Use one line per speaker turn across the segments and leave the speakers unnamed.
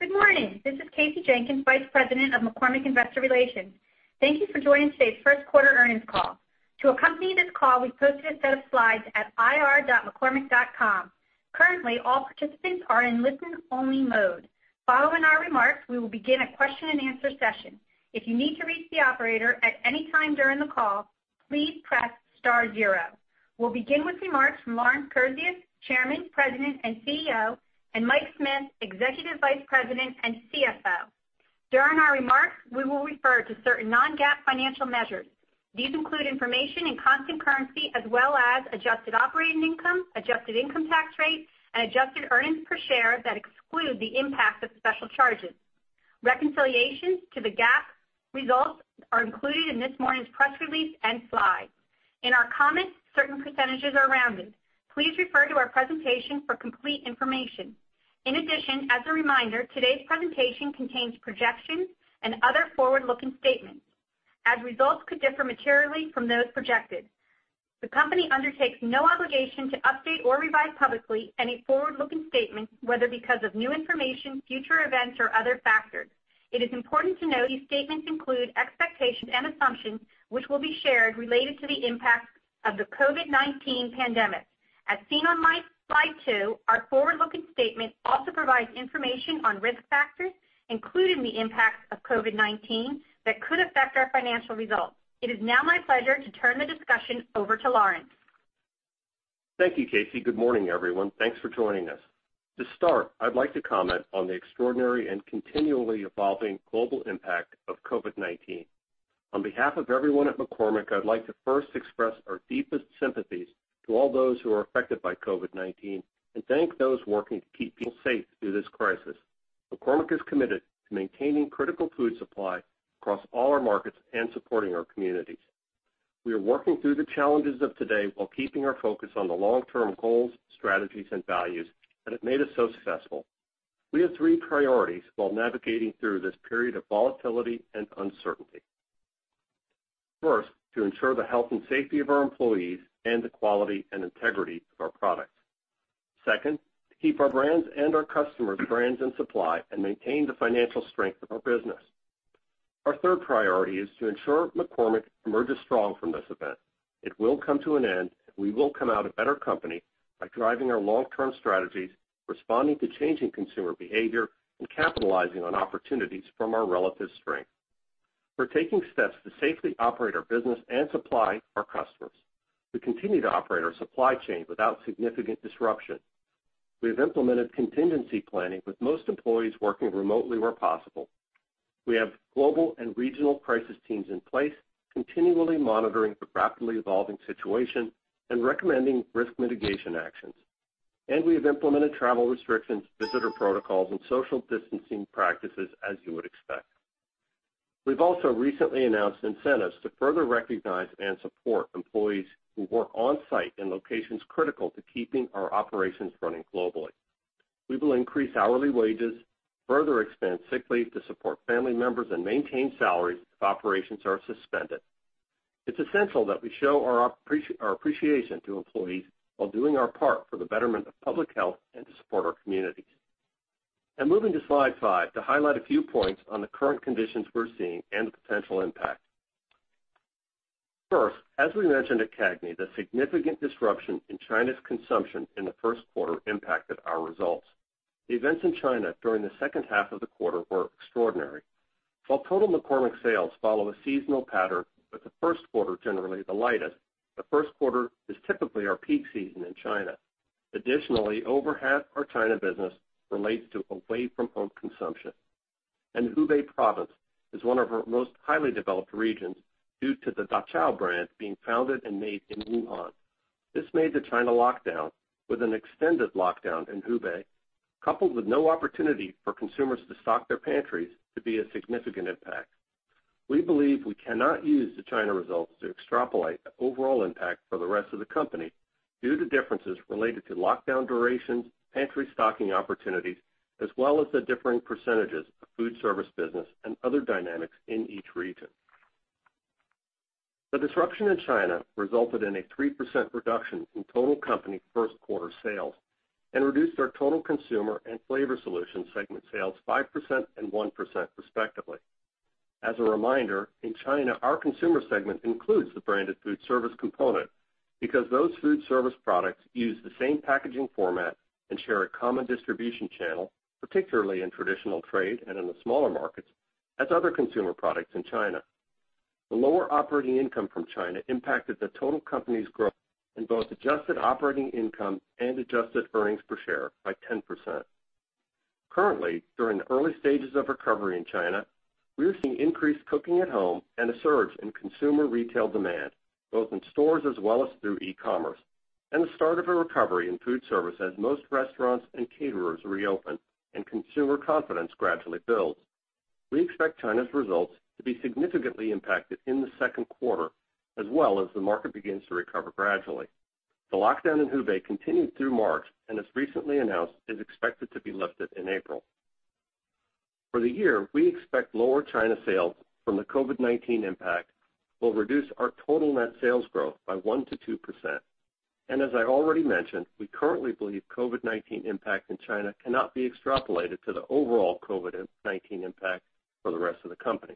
Good morning. This is Kasey Jenkins, Vice President of McCormick Investor Relations. Thank you for joining today's first quarter earnings call. To accompany this call, we've posted a set of slides at ir.mccormick.com. Currently, all participants are in listen-only mode. Following our remarks, we will begin a question and answer session. If you need to reach the operator at any time during the call, please press star zero. We'll begin with remarks from Lawrence Kurzius, Chairman, President, and CEO, and Mike Smith, Executive Vice President and CFO. During our remarks, we will refer to certain non-GAAP financial measures. These include information in constant currency as well as adjusted operating income, adjusted income tax rate, and adjusted earnings per share that exclude the impact of special charges. Reconciliations to the GAAP results are included in this morning's press release and slides. In our comments, certain percentages are rounded. Please refer to our presentation for complete information. In addition, as a reminder, today's presentation contains projections and other forward-looking statements, as results could differ materially from those projected. The company undertakes no obligation to update or revise publicly any forward-looking statements, whether because of new information, future events, or other factors. It is important to note these statements include expectations and assumptions which will be shared related to the impact of the COVID-19 pandemic. As seen on slide two, our forward-looking statement also provides information on risk factors, including the impact of COVID-19, that could affect our financial results. It is now my pleasure to turn the discussion over to Lawrence.
Thank you, Kasey. Good morning, everyone. Thanks for joining us. To start, I'd like to comment on the extraordinary and continually evolving global impact of COVID-19. On behalf of everyone at McCormick, I'd like to first express our deepest sympathies to all those who are affected by COVID-19 and thank those working to keep people safe through this crisis. McCormick is committed to maintaining critical food supply across all our markets and supporting our communities. We are working through the challenges of today while keeping our focus on the long-term goals, strategies, and values that have made us so successful. We have three priorities while navigating through this period of volatility and uncertainty. First, to ensure the health and safety of our employees and the quality and integrity of our products. Second, to keep our brands and our customers' brands in supply and maintain the financial strength of our business. Our third priority is to ensure McCormick emerges strong from this event. It will come to an end. We will come out a better company by driving our long-term strategies, responding to changing consumer behavior, and capitalizing on opportunities from our relative strength. We're taking steps to safely operate our business and supply our customers. We continue to operate our supply chain without significant disruption. We have implemented contingency planning with most employees working remotely where possible. We have global and regional crisis teams in place continually monitoring the rapidly evolving situation and recommending risk mitigation actions. We have implemented travel restrictions, visitor protocols, and social distancing practices as you would expect. We've also recently announced incentives to further recognize and support employees who work on-site in locations critical to keeping our operations running globally. We will increase hourly wages, further expand sick leave to support family members, and maintain salaries if operations are suspended. It's essential that we show our appreciation to employees while doing our part for the betterment of public health and to support our communities. Moving to slide five to highlight a few points on the current conditions we're seeing and the potential impact. First, as we mentioned at CAGNY, the significant disruption in China's consumption in the first quarter impacted our results. The events in China during the second half of the quarter were extraordinary. While total McCormick sales follow a seasonal pattern, with the first quarter generally the lightest, the first quarter is typically our peak season in China. Additionally, over half our China business relates to away-from-home consumption. Hubei province is one of our most highly developed regions due to the Daqiao brand being founded and made in Wuhan. This made the China lockdown, with an extended lockdown in Hubei, coupled with no opportunity for consumers to stock their pantries, to be a significant impact. We believe we cannot use the China results to extrapolate the overall impact for the rest of the company due to differences related to lockdown durations, pantry stocking opportunities, as well as the differing percentages of foodservice business and other dynamics in each region. The disruption in China resulted in a 3% reduction in total company first quarter sales and reduced our total Consumer and Flavor Solutions segment sales 5% and 1% respectively. As a reminder, in China, our consumer segment includes the branded food service component because those food service products use the same packaging format and share a common distribution channel, particularly in traditional trade and in the smaller markets, as other consumer products in China. The lower operating income from China impacted the total company's growth in both adjusted operating income and adjusted earnings per share by 10%. Currently, during the early stages of recovery in China, we are seeing increased cooking at home and a surge in consumer retail demand, both in stores as well as through e-commerce, and the start of a recovery in food service as most restaurants and caterers reopen and consumer confidence gradually builds. We expect China's results to be significantly impacted in the second quarter, as well as the market begins to recover gradually. The lockdown in Hubei continued through March and, as recently announced, is expected to be lifted in April. For the year, we expect lower China sales from the COVID-19 impact will reduce our total net sales growth by 1%-2%. As I already mentioned, we currently believe COVID-19 impact in China cannot be extrapolated to the overall COVID-19 impact for the rest of the company.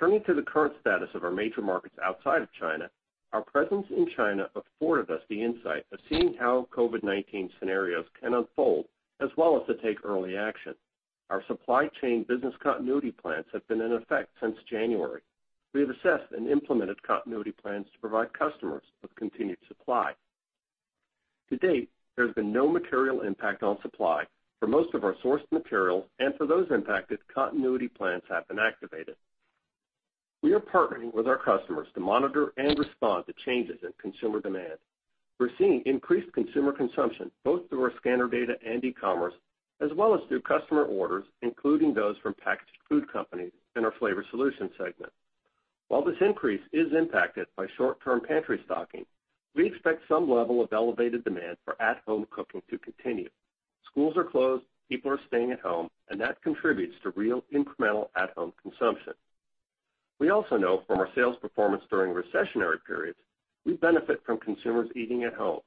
Turning to the current status of our major markets outside of China, our presence in China afforded us the insight of seeing how COVID-19 scenarios can unfold, as well as to take early action. Our supply chain business continuity plans have been in effect since January. We have assessed and implemented continuity plans to provide customers with continued supply. To date, there has been no material impact on supply for most of our sourced materials, and for those impacted, continuity plans have been activated. We are partnering with our customers to monitor and respond to changes in consumer demand. We're seeing increased consumer consumption both through our scanner data and e-commerce, as well as through customer orders, including those from packaged food companies in our Flavor Solutions segment. While this increase is impacted by short-term pantry stocking, we expect some level of elevated demand for at-home cooking to continue. Schools are closed, people are staying at home, and that contributes to real incremental at-home consumption. We also know from our sales performance during recessionary periods, we benefit from consumers eating at home.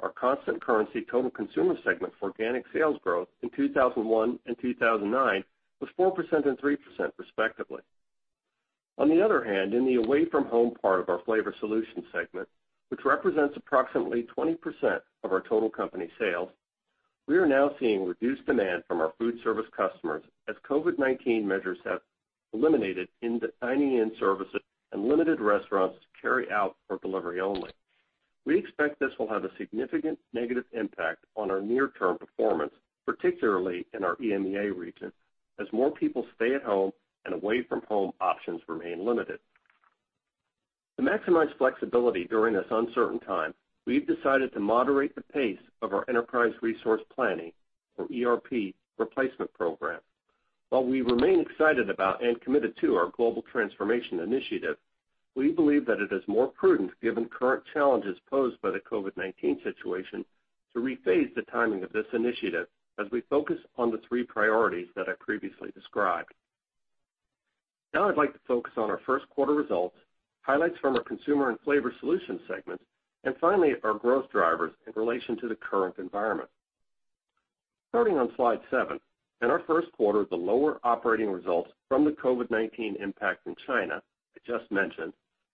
Our constant currency total consumer segment for organic sales growth in 2001 and 2009 was 4% and 3%, respectively. On the other hand, in the away-from-home part of our Flavor Solutions segment, which represents approximately 20% of our total company sales, we are now seeing reduced demand from our food service customers as COVID-19 measures have eliminated dining-in services and limited restaurants to carryout or delivery only. We expect this will have a significant negative impact on our near-term performance, particularly in our EMEA region, as more people stay-at-home and away-from-home options remain limited. To maximize flexibility during this uncertain time, we've decided to moderate the pace of our Enterprise Resource Planning, or ERP, Replacement Program. While we remain excited about and committed to our Global Transformation Initiative, we believe that it is more prudent, given current challenges posed by the COVID-19 situation, to rephase the timing of this initiative as we focus on the three priorities that I previously described. I'd like to focus on our first quarter results, highlights from our Consumer and Flavor Solutions segments, and finally, our growth drivers in relation to the current environment. Starting on slide seven, in our first quarter, the lower operating results from the COVID-19 impact in China I just mentioned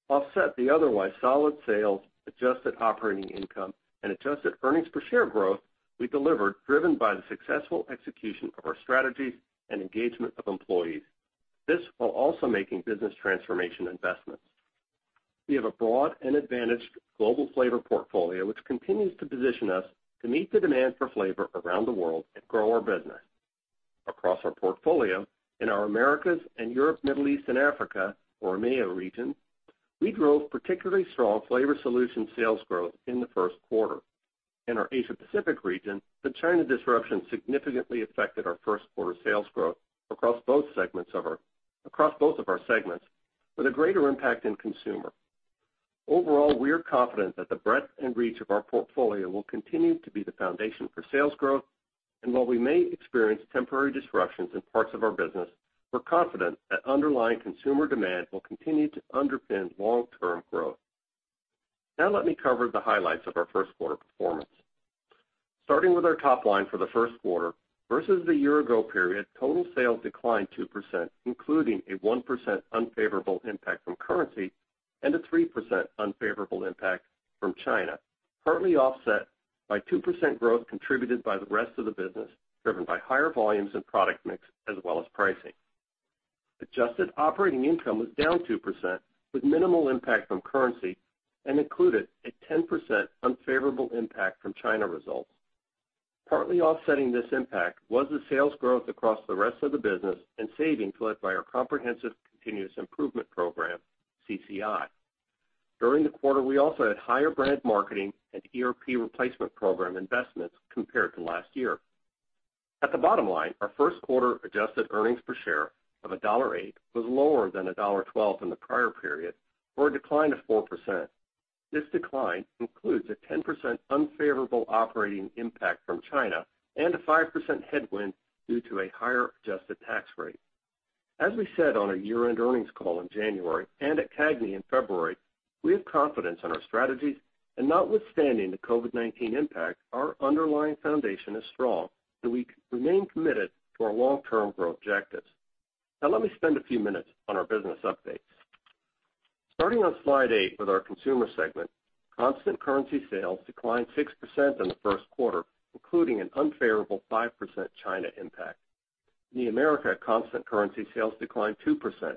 offset the otherwise solid sales, adjusted operating income, and adjusted earnings per share growth we delivered, driven by the successful execution of our strategies and engagement of employees, while also making business transformation investments. We have a broad and advantaged global flavor portfolio, which continues to position us to meet the demand for flavor around the world and grow our business. Across our portfolio in our Americas and Europe, Middle East and Africa, or EMEA region, we drove particularly strong Flavor Solutions sales growth in the first quarter. In our Asia Pacific region, the China disruption significantly affected our first quarter sales growth across both of our segments, with a greater impact in Consumer. Overall, we are confident that the breadth and reach of our portfolio will continue to be the foundation for sales growth, and while we may experience temporary disruptions in parts of our business, we're confident that underlying consumer demand will continue to underpin long-term growth. Let me cover the highlights of our first quarter performance. Starting with our top line for the first quarter, versus the year ago period, total sales declined 2%, including a 1% unfavorable impact from currency and a 3% unfavorable impact from China, partly offset by 2% growth contributed by the rest of the business, driven by higher volumes and product mix as well as pricing. Adjusted operating income was down 2%, with minimal impact from currency and included a 10% unfavorable impact from China results. Partly offsetting this impact was the sales growth across the rest of the business and savings led by our Comprehensive Continuous Improvement program, CCI. During the quarter, we also had higher brand marketing and ERP replacement program investments compared to last year. At the bottom line, our first quarter adjusted earnings per share of $1.08 was lower than $1.12 in the prior period or a decline of 4%. This decline includes a 10% unfavorable operating impact from China and a 5% headwind due to a higher adjusted tax rate. As we said on our year-end earnings call in January and at CAGNY in February, we have confidence in our strategies, and notwithstanding the COVID-19 impact, our underlying foundation is strong, and we remain committed to our long-term growth objectives. Let me spend a few minutes on our business updates. Starting on slide eight with our Consumer segment, constant currency sales declined 6% in the first quarter, including an unfavorable 5% China impact. In the Americas, constant currency sales declined 2%.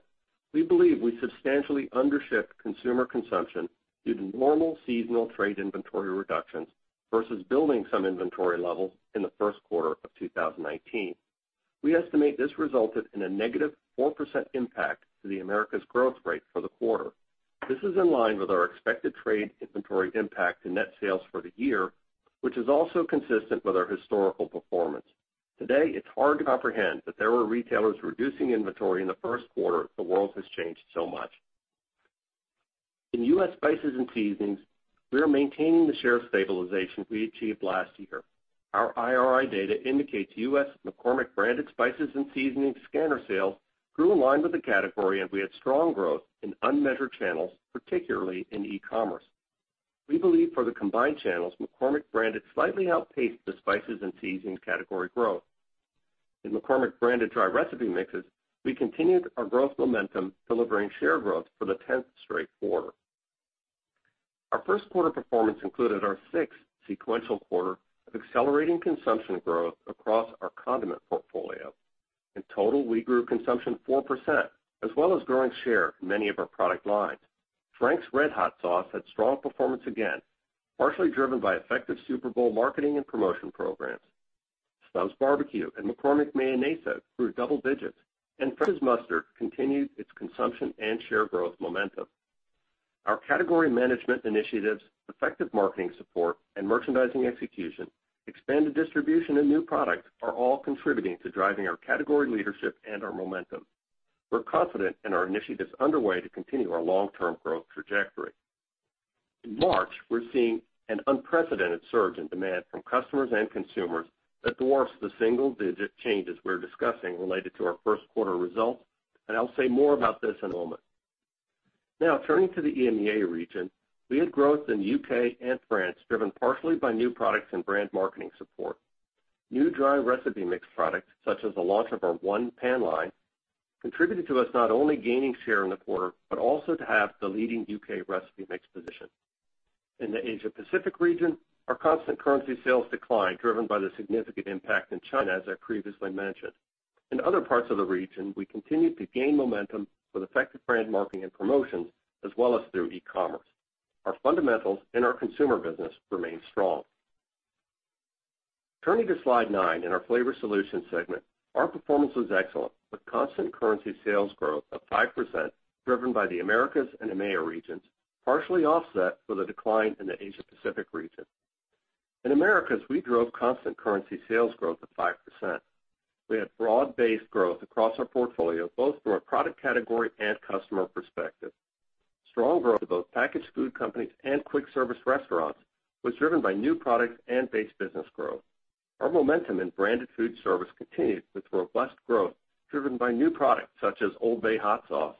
We believe we substantially undershipped consumer consumption due to normal seasonal trade inventory reductions versus building some inventory levels in the first quarter of 2019. We estimate this resulted in a negative 4% impact to the Americas growth rate for the quarter. This is in line with our expected trade inventory impact to net sales for the year, which is also consistent with our historical performance. Today, it's hard to comprehend that there were retailers reducing inventory in the first quarter, the world has changed so much. In U.S. spices and seasonings, we are maintaining the share stabilization we achieved last year. Our IRI data indicates U.S. McCormick branded spices and seasonings scanner sales grew in line with the category, and we had strong growth in unmeasured channels, particularly in e-commerce. We believe for the combined channels, McCormick branded slightly outpaced the spices and seasonings category growth. In McCormick branded dry recipe mixes, we continued our growth momentum, delivering share growth for the 10th straight quarter. Our first quarter performance included our sixth sequential quarter of accelerating consumption growth across our condiment portfolio. In total, we grew consumption 4%, as well as growing share in many of our product lines. Frank's RedHot sauce had strong performance again, partially driven by effective Super Bowl marketing and promotion programs. Stubb's Bar-B-Q and McCormick Mayonesa grew double digits, and French's Mustard continued its consumption and share growth momentum. Our category management initiatives, effective marketing support and merchandising execution, expanded distribution and new products are all contributing to driving our category leadership and our momentum. We're confident in our initiatives underway to continue our long-term growth trajectory. In March, we're seeing an unprecedented surge in demand from customers and consumers that dwarfs the single-digit changes we're discussing related to our first quarter results, and I'll say more about this in a moment. Now, turning to the EMEA region, we had growth in U.K. and France, driven partially by new products and brand marketing support. New dry recipe mix products, such as the launch of our ONE Pan line, contributed to us not only gaining share in the quarter, but also to have the leading U.K. recipe mix position. In the Asia Pacific region, our constant currency sales declined, driven by the significant impact in China, as I previously mentioned. In other parts of the region, we continued to gain momentum with effective brand marketing and promotions, as well as through e-commerce. Our fundamentals in our consumer business remain strong. Turning to slide nine in our Flavor Solutions segment, our performance was excellent, with constant currency sales growth of 5%, driven by the Americas and EMEA regions, partially offset with a decline in the Asia Pacific region. In Americas, we drove constant currency sales growth of 5%. We had broad-based growth across our portfolio, both from a product category and customer perspective. Strong growth of both packaged food companies and quick service restaurants was driven by new products and base business growth. Our momentum in branded food service continued, with robust growth driven by new products such as OLD BAY Hot Sauce,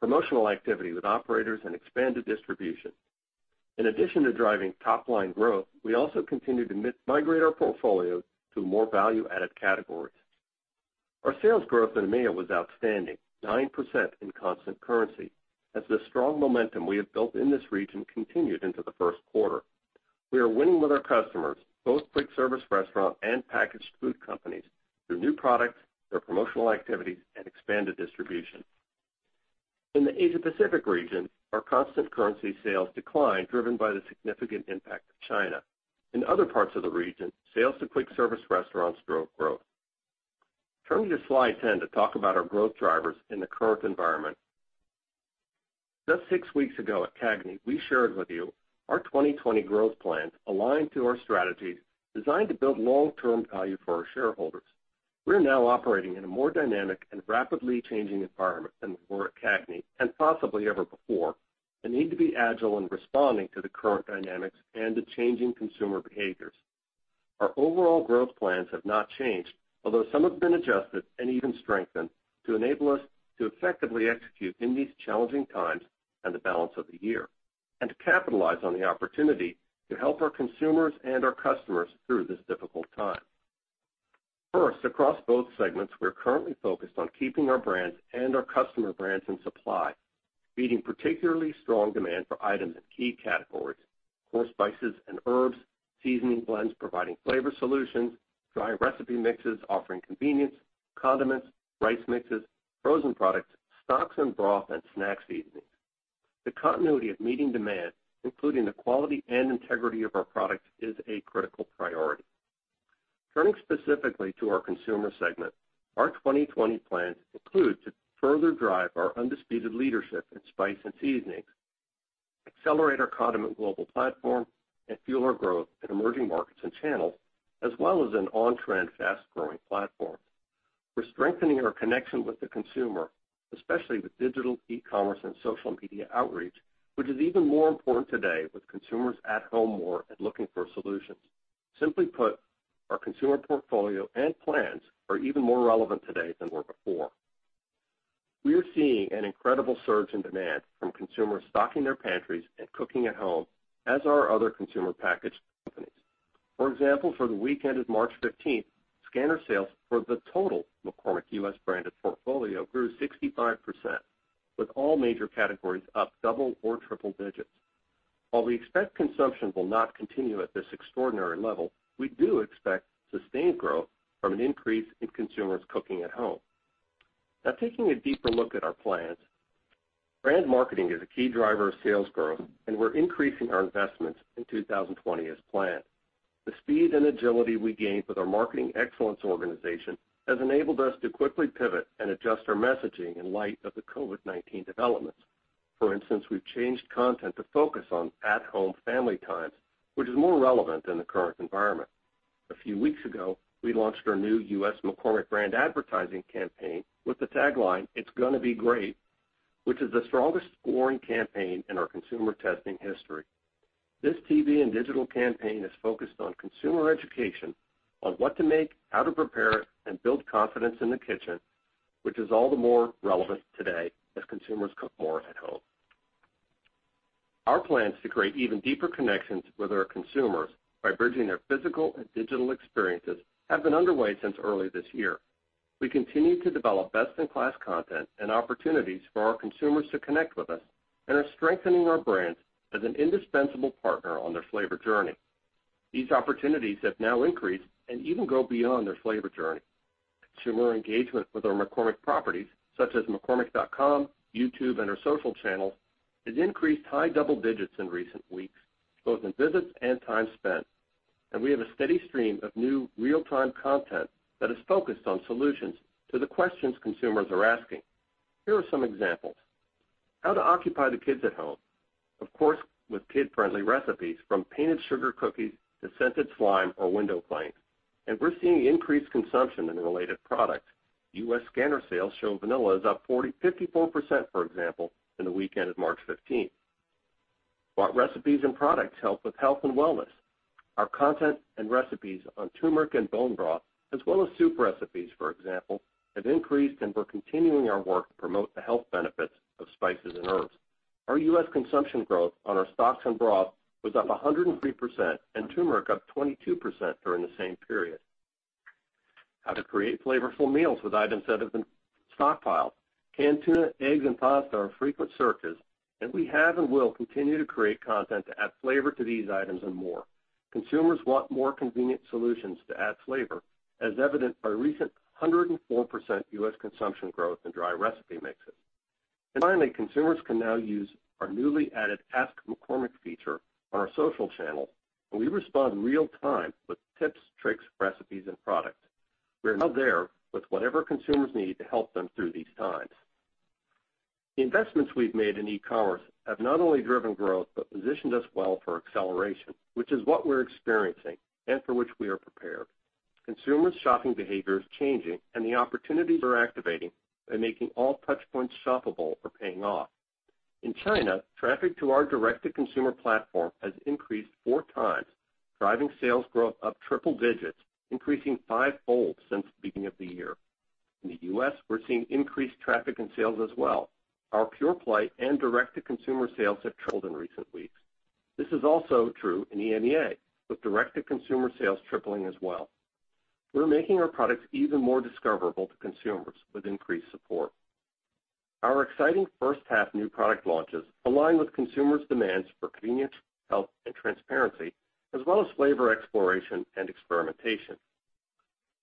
promotional activity with operators, and expanded distribution. In addition to driving top-line growth, we also continued to migrate our portfolio to more value-added categories. Our sales growth in EMEA was outstanding, 9% in constant currency, as the strong momentum we have built in this region continued into the first quarter. We are winning with our customers, both quick service restaurant and packaged food companies, through new products, their promotional activities, and expanded distribution. In the Asia Pacific region, our constant currency sales declined, driven by the significant impact of China. In other parts of the region, sales to quick service restaurants drove growth. Turning to slide 10 to talk about our growth drivers in the current environment. Just six weeks ago at CAGNY, we shared with you our 2020 growth plans aligned to our strategies designed to build long-term value for our shareholders. We're now operating in a more dynamic and rapidly changing environment than we were at CAGNY, and possibly ever before, and need to be agile in responding to the current dynamics and the changing consumer behaviors. Our overall growth plans have not changed, although some have been adjusted and even strengthened to enable us to effectively execute in these challenging times and the balance of the year, and to capitalize on the opportunity to help our consumers and our customers through this difficult time. First, across both segments, we're currently focused on keeping our brands and our customer brands in supply, meeting particularly strong demand for items in key categories, whole spices and herbs, seasoning blends providing Flavor Solutions, dry recipe mixes offering convenience, condiments, rice mixes, frozen products, stocks and broth, and snack seasonings. The continuity of meeting demand, including the quality and integrity of our products, is a critical priority. Turning specifically to our consumer segment, our 2020 plans include to further drive our undisputed leadership in spice and seasonings, accelerate our condiment global platform, and fuel our growth in emerging markets and channels, as well as in on-trend, fast-growing platforms. We're strengthening our connection with the consumer, especially with digital, e-commerce, and social media outreach, which is even more important today with consumers at home more and looking for solutions. Simply put, our consumer portfolio and plans are even more relevant today than were before. We are seeing an incredible surge in demand from consumers stocking their pantries and cooking at home, as are other consumer packaged companies. For example, for the weekend of March 15th, scanner sales for the total McCormick U.S. branded portfolio grew 65%, with all major categories up double or triple digits. While we expect consumption will not continue at this extraordinary level, we do expect sustained growth from an increase in consumers cooking at home. Taking a deeper look at our plans, brand marketing is a key driver of sales growth, and we're increasing our investments in 2020 as planned. The speed and agility we gained with our marketing excellence organization has enabled us to quickly pivot and adjust our messaging in light of the COVID-19 developments. For instance, we've changed content to focus on at-home family times, which is more relevant in the current environment. A few weeks ago, we launched our new U.S. McCormick brand advertising campaign with the tagline, "It's Gonna Be Great." Which is the strongest scoring campaign in our consumer testing history. This TV and digital campaign is focused on consumer education, on what to make, how to prepare it, and build confidence in the kitchen, which is all the more relevant today as consumers cook more at home. Our plans to create even deeper connections with our consumers by bridging their physical and digital experiences have been underway since early this year. We continue to develop best-in-class content and opportunities for our consumers to connect with us and are strengthening our brands as an indispensable partner on their flavor journey. These opportunities have now increased and even go beyond their flavor journey. Consumer engagement with our McCormick properties, such as mccormick.com, YouTube, and our social channels, has increased high double digits in recent weeks, both in visits and time spent. We have a steady stream of new real-time content that is focused on solutions to the questions consumers are asking. Here are some examples. How to occupy the kids at home. Of course, with kid-friendly recipes from painted sugar cookies to scented slime or window paint. We're seeing increased consumption in related products. U.S. scanner sales show vanilla is up 54%, for example, in the weekend of March 15th. What recipes and products help with health and wellness? Our content and recipes on turmeric and bone broth, as well as soup recipes, for example, have increased, and we're continuing our work to promote the health benefits of spices and herbs. Our U.S. consumption growth on our stocks and broth was up 103%, and turmeric up 22% during the same period. How to create flavorful meals with items that have been stockpiled. Canned tuna, eggs, and pasta are frequent searches, we have and will continue to create content to add flavor to these items and more. Consumers want more convenient solutions to add flavor, as evidenced by recent 104% U.S. consumption growth in dry recipe mixes. Finally, consumers can now use our newly added Ask McCormick feature on our social channel, and we respond real time with tips, tricks, recipes, and products. We're now there with whatever consumers need to help them through these times. The investments we've made in e-commerce have not only driven growth but positioned us well for acceleration, which is what we're experiencing and for which we are prepared. Consumers' shopping behavior is changing, and the opportunities we're activating by making all touchpoints shoppable are paying off. In China, traffic to our direct-to-consumer platform has increased four times, driving sales growth up triple digits, increasing five-fold since the beginning of the year. In the U.S., we're seeing increased traffic and sales as well. Our pure play and direct-to-consumer sales have tripled in recent weeks. This is also true in EMEA, with direct-to-consumer sales tripling as well. We're making our products even more discoverable to consumers with increased support. Our exciting first-half new product launches align with consumers' demands for convenience, health, and transparency, as well as flavor exploration and experimentation.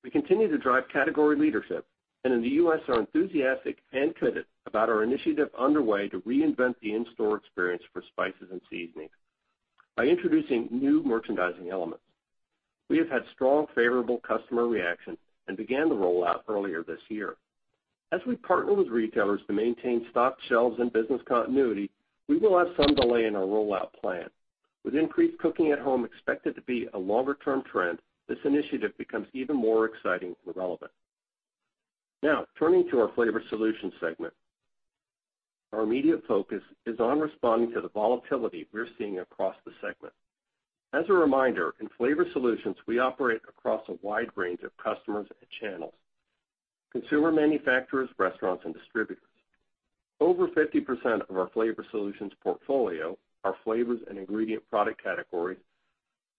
We continue to drive category leadership, and in the U.S., are enthusiastic and committed about our initiative underway to reinvent the in-store experience for spices and seasonings by introducing new merchandising elements. We have had strong, favorable customer reaction and began the rollout earlier this year. As we partner with retailers to maintain stocked shelves and business continuity, we will have some delay in our rollout plan. With increased cooking at home expected to be a longer-term trend, this initiative becomes even more exciting and relevant. Turning to our Flavor Solutions segment. Our immediate focus is on responding to the volatility we're seeing across the segment. As a reminder, in Flavor Solutions, we operate across a wide range of customers and channels, consumer manufacturers, restaurants, and distributors. Over 50% of our Flavor Solutions portfolio, our flavors and ingredient product categories,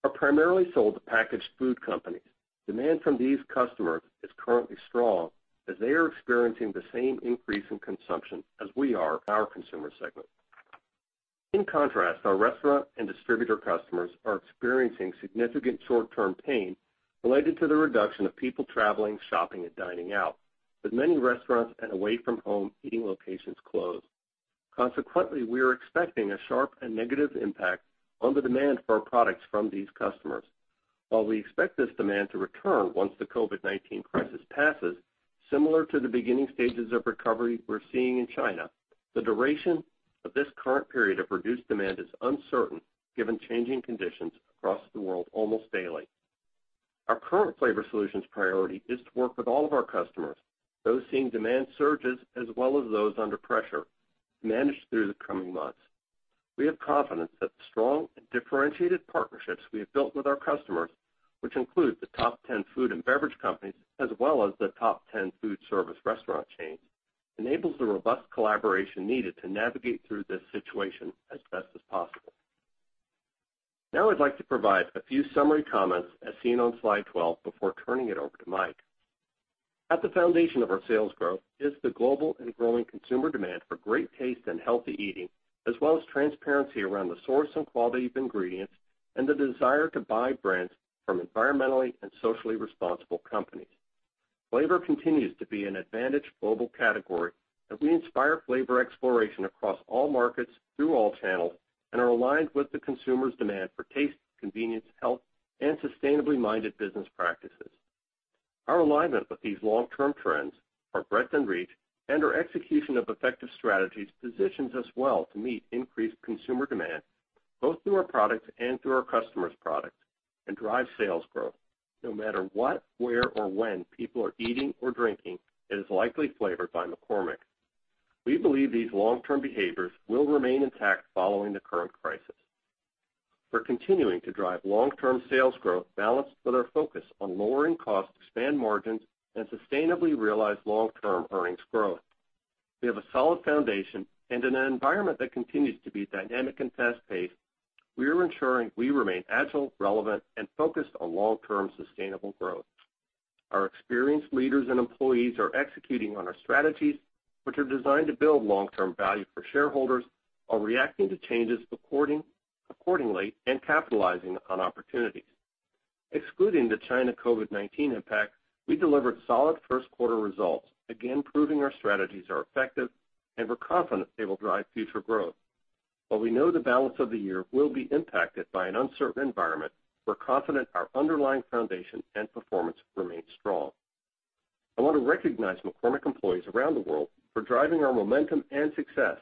are primarily sold to packaged food companies. Demand from these customers is currently strong as they are experiencing the same increase in consumption as we are in our consumer segment. In contrast, our restaurant and distributor customers are experiencing significant short-term pain related to the reduction of people traveling, shopping, and dining out, with many restaurants and away-from-home eating locations closed. Consequently, we are expecting a sharp and negative impact on the demand for our products from these customers. While we expect this demand to return once the COVID-19 crisis passes, similar to the beginning stages of recovery we're seeing in China, the duration of this current period of reduced demand is uncertain, given changing conditions across the world almost daily. Our current Flavor Solutions priority is to work with all of our customers, those seeing demand surges, as well as those under pressure, to manage through the coming months. We have confidence that the strong and differentiated partnerships we have built with our customers, which include the top 10 food and beverage companies, as well as the top 10 food service restaurant chains, enables the robust collaboration needed to navigate through this situation as best as possible. I'd like to provide a few summary comments as seen on slide 12 before turning it over to Mike. At the foundation of our sales growth is the global and growing consumer demand for great taste and healthy eating, as well as transparency around the source and quality of ingredients and the desire to buy brands from environmentally and socially responsible companies. Flavor continues to be an advantaged global category, we inspire flavor exploration across all markets through all channels and are aligned with the consumer's demand for taste, convenience, health, and sustainably minded business practices. Our alignment with these long-term trends, our breadth and reach, and our execution of effective strategies positions us well to meet increased consumer demand, both through our products and through our customers' products and drive sales growth. No matter what, where, or when people are eating or drinking, it is likely flavored by McCormick. We believe these long-term behaviors will remain intact following the current crisis. We're continuing to drive long-term sales growth balanced with our focus on lowering costs to expand margins and sustainably realize long-term earnings growth. We have a solid foundation. In an environment that continues to be dynamic and fast-paced, we are ensuring we remain agile, relevant, and focused on long-term sustainable growth. Our experienced leaders and employees are executing on our strategies, which are designed to build long-term value for shareholders, while reacting to changes accordingly and capitalizing on opportunities. Excluding the China COVID-19 impact, we delivered solid first quarter results, again proving our strategies are effective. We're confident they will drive future growth. While we know the balance of the year will be impacted by an uncertain environment, we're confident our underlying foundation and performance remain strong. I want to recognize McCormick employees around the world for driving our momentum and success.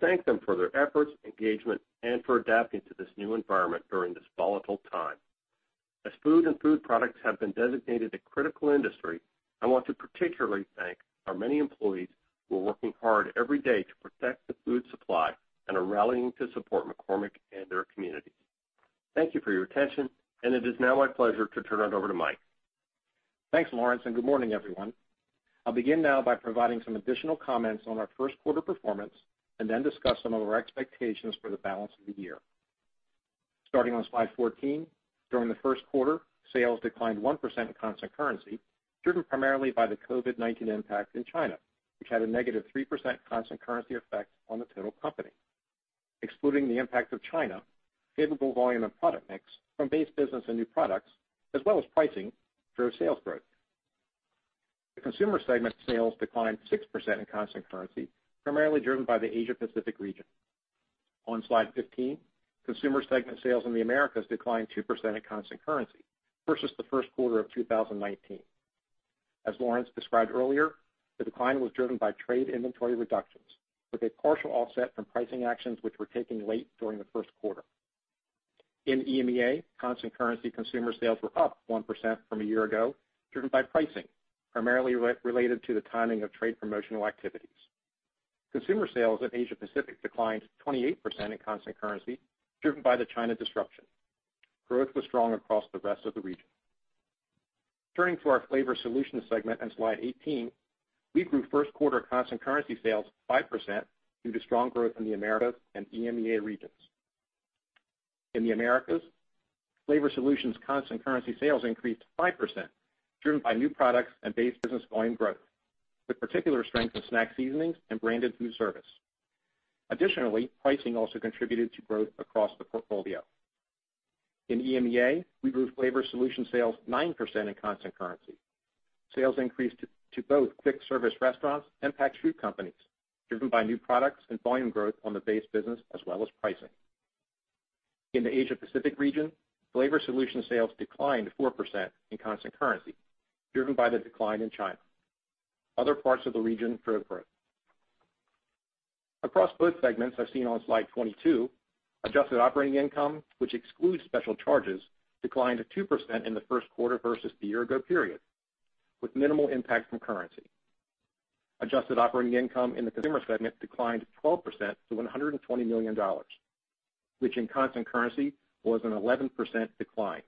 Thank them for their efforts, engagement, and for adapting to this new environment during this volatile time. As food and food products have been designated a critical industry, I want to particularly thank our many employees who are working hard every day to protect the food supply and are rallying to support McCormick and their communities. Thank you for your attention. It is now my pleasure to turn it over to Mike.
Thanks, Lawrence, and good morning, everyone. I'll begin now by providing some additional comments on our first quarter performance and then discuss some of our expectations for the balance of the year. Starting on slide 14, during the first quarter, sales declined 1% in constant currency, driven primarily by the COVID-19 impact in China, which had a -3% constant currency effect on the total company. Excluding the impact of China, favorable volume and product mix from base business and new products, as well as pricing, drove sales growth. The consumer segment sales declined 6% in constant currency, primarily driven by the Asia Pacific region. On slide 15, consumer segment sales in the Americas declined 2% in constant currency versus the first quarter of 2019. As Lawrence described earlier, the decline was driven by trade inventory reductions, with a partial offset from pricing actions which were taken late during the first quarter. In EMEA, constant currency consumer sales were up 1% from a year ago, driven by pricing, primarily related to the timing of trade promotional activities. Consumer sales in Asia Pacific declined 28% in constant currency, driven by the China disruption. Growth was strong across the rest of the region. Turning to our Flavor Solutions segment on slide 18, we grew first quarter constant currency sales 5% due to strong growth in the Americas and EMEA regions. In the Americas, Flavor Solutions constant currency sales increased 5%, driven by new products and base business volume growth, with particular strength in snack seasonings and branded food service. Additionally, pricing also contributed to growth across the portfolio. In EMEA, we grew Flavor Solutions sales 9% in constant currency. Sales increased to both quick service restaurants and packaged food companies, driven by new products and volume growth on the base business as well as pricing. In the Asia Pacific region, Flavor Solutions sales declined 4% in constant currency, driven by the decline in China. Other parts of the region drove growth. Across both segments as seen on slide 22, adjusted operating income, which excludes special charges, declined 2% in the first quarter versus the year-ago period, with minimal impact from currency. Adjusted operating income in the consumer segment declined 12% to $120 million, which in constant currency was an 11% decline.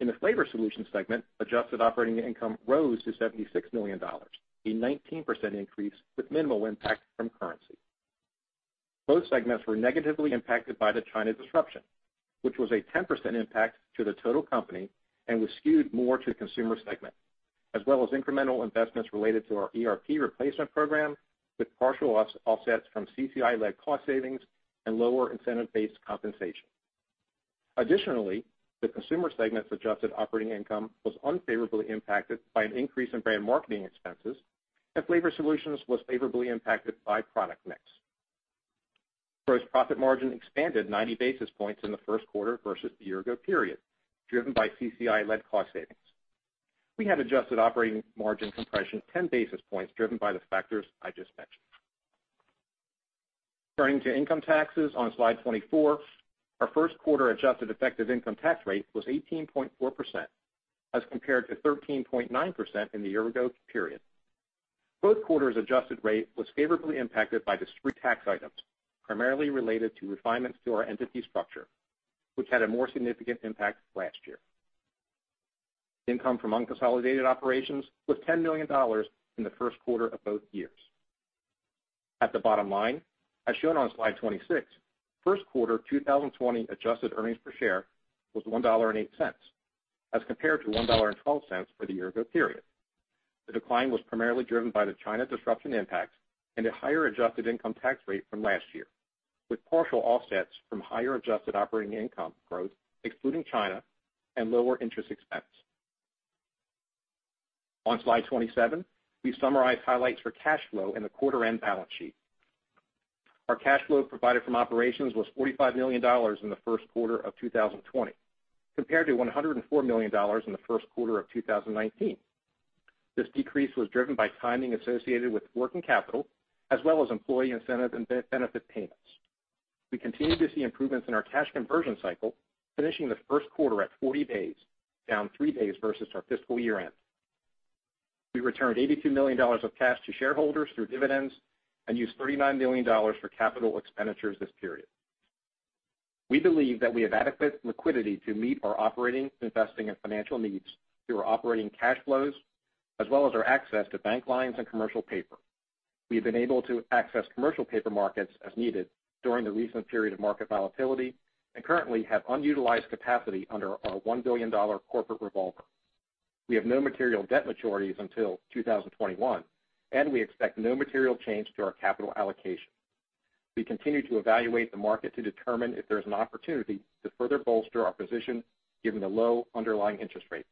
In the Flavor Solutions segment, adjusted operating income rose to $76 million, a 19% increase with minimal impact from currency. Both segments were negatively impacted by the China disruption, which was a 10% impact to the total company and was skewed more to the consumer segment, as well as incremental investments related to our ERP replacement program, with partial offsets from CCI-led cost savings and lower incentive-based compensation. The consumer segment's adjusted operating income was unfavorably impacted by an increase in brand marketing expenses, and Flavor Solutions was favorably impacted by product mix. Gross profit margin expanded 90 basis points in the first quarter versus the year-ago period, driven by CCI-led cost savings. We had adjusted operating margin compression 10 basis points, driven by the factors I just mentioned. Turning to income taxes on slide 24, our first quarter adjusted effective income tax rate was 18.4% as compared to 13.9% in the year-ago period. Both quarters' adjusted rate was favorably impacted by discrete tax items, primarily related to refinements to our entity structure, which had a more significant impact last year. Income from unconsolidated operations was $10 million in the first quarter of both years. At the bottom line, as shown on slide 26, first quarter 2020 adjusted earnings per share was $1.08 as compared to $1.12 for the year ago period. The decline was primarily driven by the China disruption impact and a higher adjusted income tax rate from last year, with partial offsets from higher adjusted operating income growth excluding China and lower interest expense. On slide 27, we summarize highlights for cash flow and the quarter-end balance sheet. Our cash flow provided from operations was $45 million in the first quarter of 2020, compared to $104 million in the first quarter of 2019. This decrease was driven by timing associated with working capital as well as employee incentive and benefit payments. We continue to see improvements in our cash conversion cycle, finishing the first quarter at 40 days, down three days versus our fiscal year-end. We returned $82 million of cash to shareholders through dividends and used $39 million for capital expenditures this period. We believe that we have adequate liquidity to meet our operating, investing, and financial needs through our operating cash flows, as well as our access to bank lines and commercial paper. We've been able to access commercial paper markets as needed during the recent period of market volatility and currently have unutilized capacity under our $1 billion corporate revolver. We have no material debt maturities until 2021, and we expect no material change to our capital allocation. We continue to evaluate the market to determine if there's an opportunity to further bolster our position given the low underlying interest rates.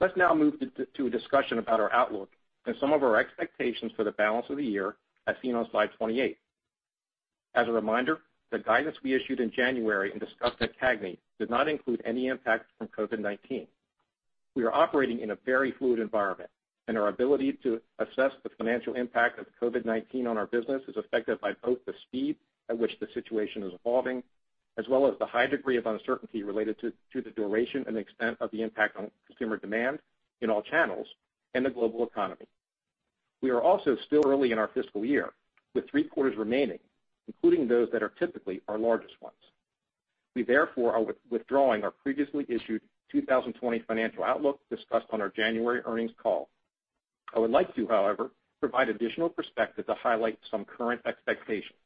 Let's now move to a discussion about our outlook and some of our expectations for the balance of the year as seen on slide 28. As a reminder, the guidance we issued in January and discussed at CAGNY did not include any impact from COVID-19. We are operating in a very fluid environment, and our ability to assess the financial impact of COVID-19 on our business is affected by both the speed at which the situation is evolving as well as the high degree of uncertainty related to the duration and extent of the impact on consumer demand in all channels and the global economy. We are also still early in our fiscal year with three quarters remaining, including those that are typically our largest ones. We therefore are withdrawing our previously issued 2020 financial outlook discussed on our January earnings call. I would like to, however, provide additional perspective to highlight some current expectations.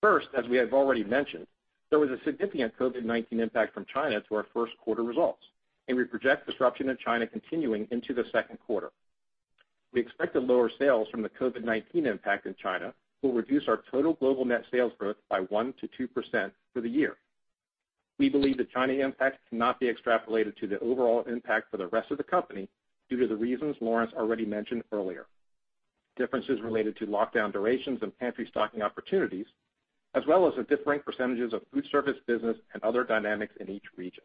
First, as we have already mentioned, there was a significant COVID-19 impact from China to our first quarter results, and we project disruption in China continuing into the second quarter. We expect that lower sales from the COVID-19 impact in China will reduce our total global net sales growth by 1%-2% for the year. We believe the China impact cannot be extrapolated to the overall impact for the rest of the company due to the reasons Lawrence already mentioned earlier. Differences related to lockdown durations and pantry stocking opportunities, as well as the differing percentages of food service business and other dynamics in each region.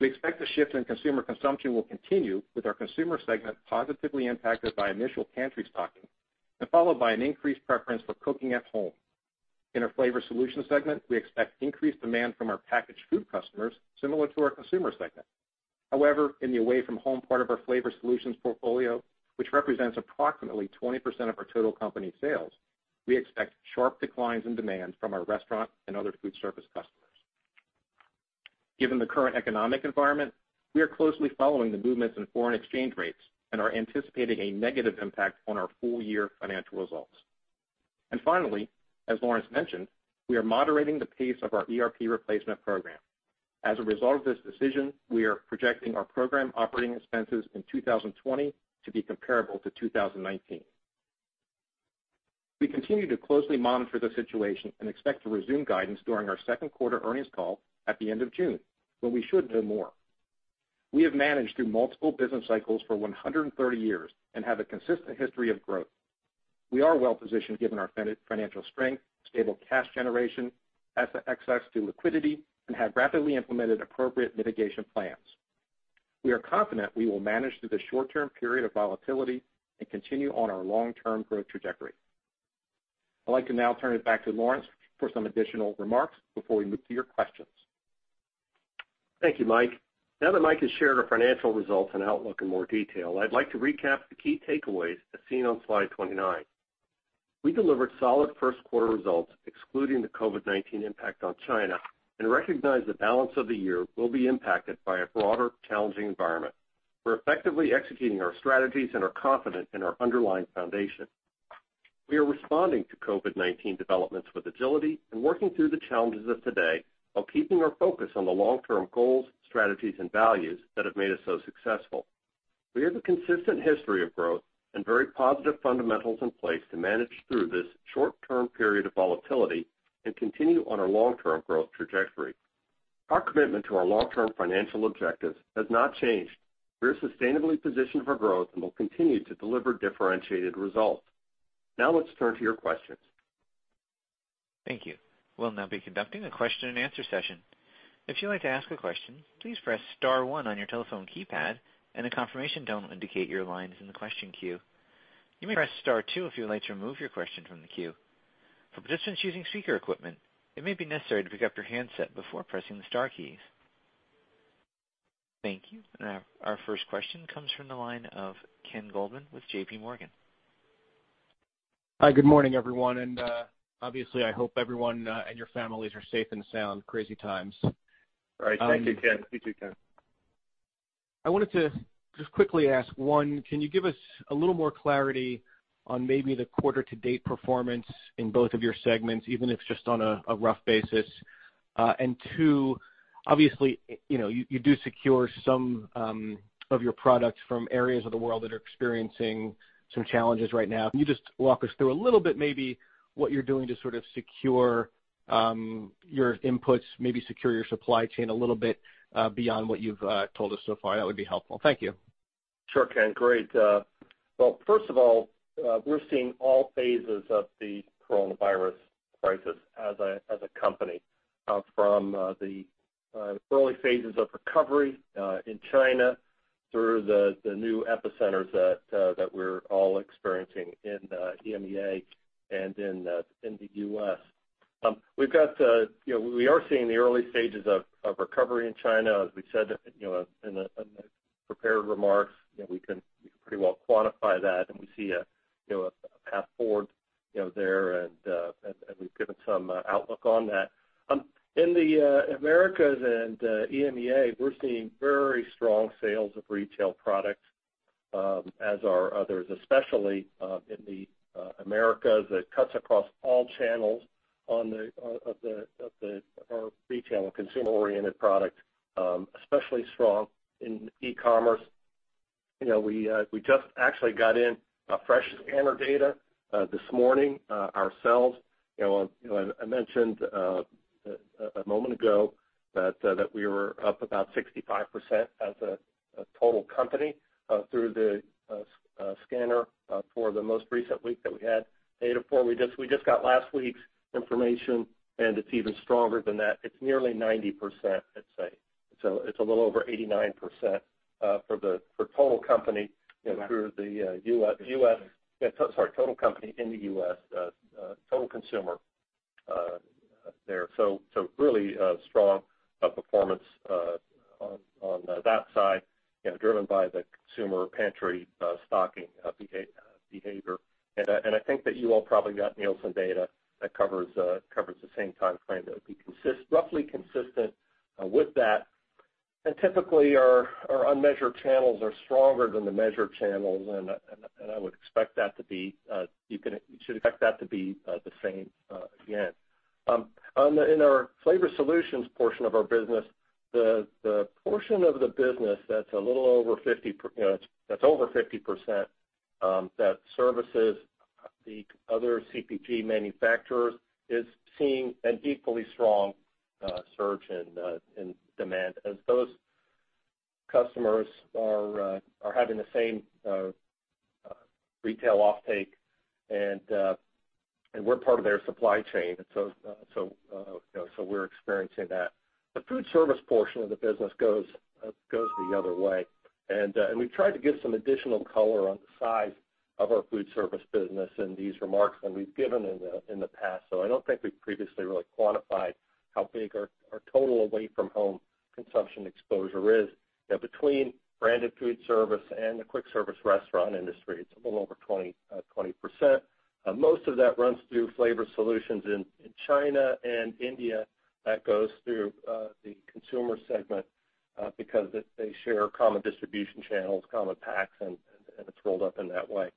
We expect the shift in consumer consumption will continue with our consumer segment positively impacted by initial pantry stocking and followed by an increased preference for cooking at home. In our Flavor Solutions segment, we expect increased demand from our packaged food customers similar to our consumer segment. However, in the away-from-home part of our Flavor Solutions portfolio, which represents approximately 20% of our total company sales, we expect sharp declines in demand from our restaurant and other food service customers. Given the current economic environment, we are closely following the movements in foreign exchange rates and are anticipating a negative impact on our full-year financial results. Finally, as Lawrence mentioned, we are moderating the pace of our ERP replacement program. As a result of this decision, we are projecting our program operating expenses in 2020 to be comparable to 2019. We continue to closely monitor the situation and expect to resume guidance during our second quarter earnings call at the end of June when we should know more. We have managed through multiple business cycles for 130 years and have a consistent history of growth. We are well-positioned given our financial strength, stable cash generation, asset access to liquidity, and have rapidly implemented appropriate mitigation plans. We are confident we will manage through the short-term period of volatility and continue on our long-term growth trajectory. I'd like to now turn it back to Lawrence for some additional remarks before we move to your questions.
Thank you, Mike. Now that Mike has shared our financial results and outlook in more detail, I'd like to recap the key takeaways as seen on slide 29. We delivered solid first quarter results excluding the COVID-19 impact on China and recognize the balance of the year will be impacted by a broader challenging environment. We're effectively executing our strategies and are confident in our underlying foundation. We are responding to COVID-19 developments with agility and working through the challenges of today while keeping our focus on the long-term goals, strategies, and values that have made us so successful. We have a consistent history of growth and very positive fundamentals in place to manage through this short-term period of volatility and continue on our long-term growth trajectory. Our commitment to our long-term financial objectives has not changed. We are sustainably positioned for growth and will continue to deliver differentiated results. Now let's turn to your questions.
Thank you. We'll now be conducting a question and answer session. If you'd like to ask a question, please press star one on your telephone keypad and a confirmation tone will indicate your line is in the question queue. You may press star two if you would like to remove your question from the queue. For participants using speaker equipment, it may be necessary to pick up your handset before pressing the star keys. Thank you. Our first question comes from the line of Ken Goldman with JPMorgan.
Hi, good morning everyone, and obviously I hope everyone and your families are safe and sound. Crazy times.
Right. Thank you, Ken. You too, Ken.
I wanted to just quickly ask, one, can you give us a little more clarity on maybe the quarter to date performance in both of your segments, even if it's just on a rough basis? Two, obviously, you do secure some of your products from areas of the world that are experiencing some challenges right now. Can you just walk us through a little bit maybe what you're doing to sort of secure your inputs, maybe secure your supply chain a little bit beyond what you've told us so far? That would be helpful. Thank you.
Sure, Ken. Great. Well, first of all, we're seeing all phases of the Coronavirus crisis as a company, from the early phases of recovery in China through the new epicenters that we're all experiencing in EMEA and in the U.S. We are seeing the early stages of recovery in China, as we said in the prepared remarks. We can pretty well quantify that, and we see a path forward there, and we've given some outlook on that. In the Americas and EMEA, we're seeing very strong sales of retail products, as are others, especially in the Americas. That cuts across all channels of our retail and consumer-oriented products, especially strong in e-commerce. We just actually got in fresh scanner data this morning ourselves. I mentioned a moment ago that we were up about 65% as a total company through the scanner for the most recent week that we had data for. We just got last week's information, and it's even stronger than that. It's nearly 90%, I'd say. It's a little over 89% for total company in the U.S., total consumer there. Really strong performance on that side, driven by the consumer pantry stocking behavior. I think that you all probably got Nielsen data that covers the same time frame that would be roughly consistent with that. Typically, our unmeasured channels are stronger than the measured channels, and you should expect that to be the same again. In our Flavor Solutions portion of our business, the portion of the business that's over 50% that services the other CPG manufacturers, is seeing an equally strong surge in demand as those customers are having the same retail offtake, and we're part of their supply chain. We're experiencing that. The food service portion of the business goes the other way, and we've tried to give some additional color on the size of our food service business in these remarks than we've given in the past, though I don't think we've previously really quantified how big our total away-from-home consumption exposure is. Between branded food service and the quick service restaurant industry, it's a little over 20%. Most of that runs through Flavor Solutions in China and India. That goes through the consumer segment because they share common distribution channels, common packs, and it's rolled up in that way.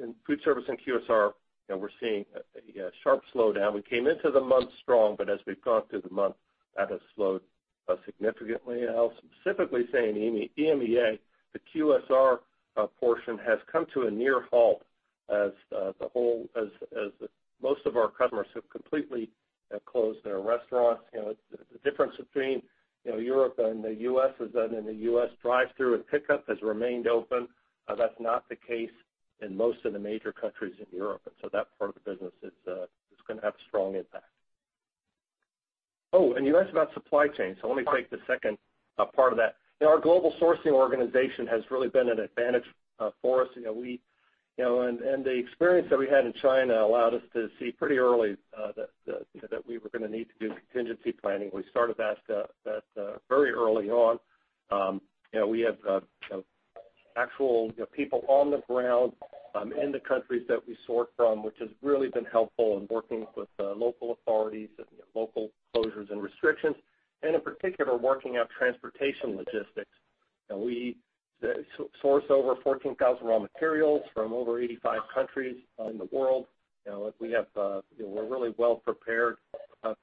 In food service and QSR, we're seeing a sharp slowdown. We came into the month strong, but as we've gone through the month, that has slowed significantly. I'll specifically say in EMEA, the QSR portion has come to a near halt as most of our customers have completely closed their restaurants. The difference between Europe and the U.S. is that in the U.S., drive-through and pickup has remained open. That's not the case in most of the major countries in Europe, that part of the business is going to have a strong impact. You asked about supply chain, let me take the second part of that. Our global sourcing organization has really been an advantage for us. The experience that we had in China allowed us to see pretty early that we were going to need to do contingency planning. We started that very early on. We have actual people on the ground in the countries that we source from, which has really been helpful in working with local authorities and local closures and restrictions, and in particular, working out transportation logistics. We source over 14,000 raw materials from over 85 countries in the world. We're really well prepared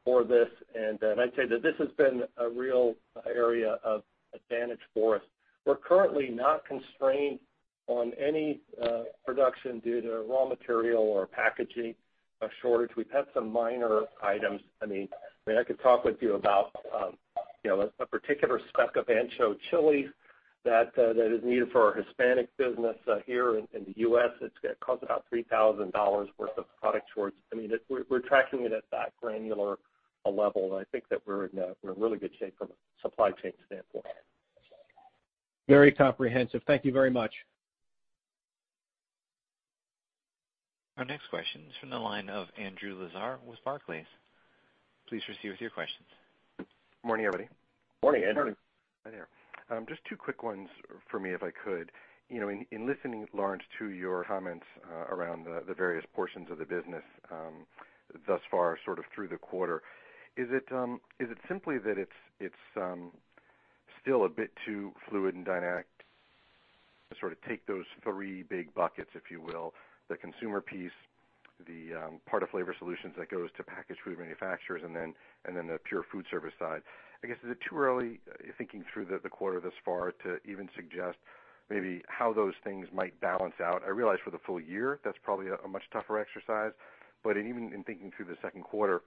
for this, and I'd say that this has been a real area of advantage for us. We're currently not constrained on any production due to raw material or packaging shortage. We've had some minor items. I could talk with you about a particular spec of ancho chili that is needed for our Hispanic business here in the U.S. It costs about $3,000 worth of product. We're tracking it at that granular level, and I think that we're in really good shape from a supply chain standpoint.
Very comprehensive. Thank you very much.
Our next question is from the line of Andrew Lazar with Barclays. Please proceed with your questions.
Morning, everybody.
Morning, Andrew.
Morning.
Hi there. Just two quick ones for me, if I could. In listening, Lawrence, to your comments around the various portions of the business thus far, sort of through the quarter, is it simply that it's still a bit too fluid and dynamic to sort of take those three big buckets, if you will, the consumer piece, the part of Flavor Solutions that goes to packaged food manufacturers, and then the pure food service side. I guess, is it too early, thinking through the quarter thus far, to even suggest maybe how those things might balance out? I realize for the full year, that's probably a much tougher exercise, but even in thinking through the second quarter,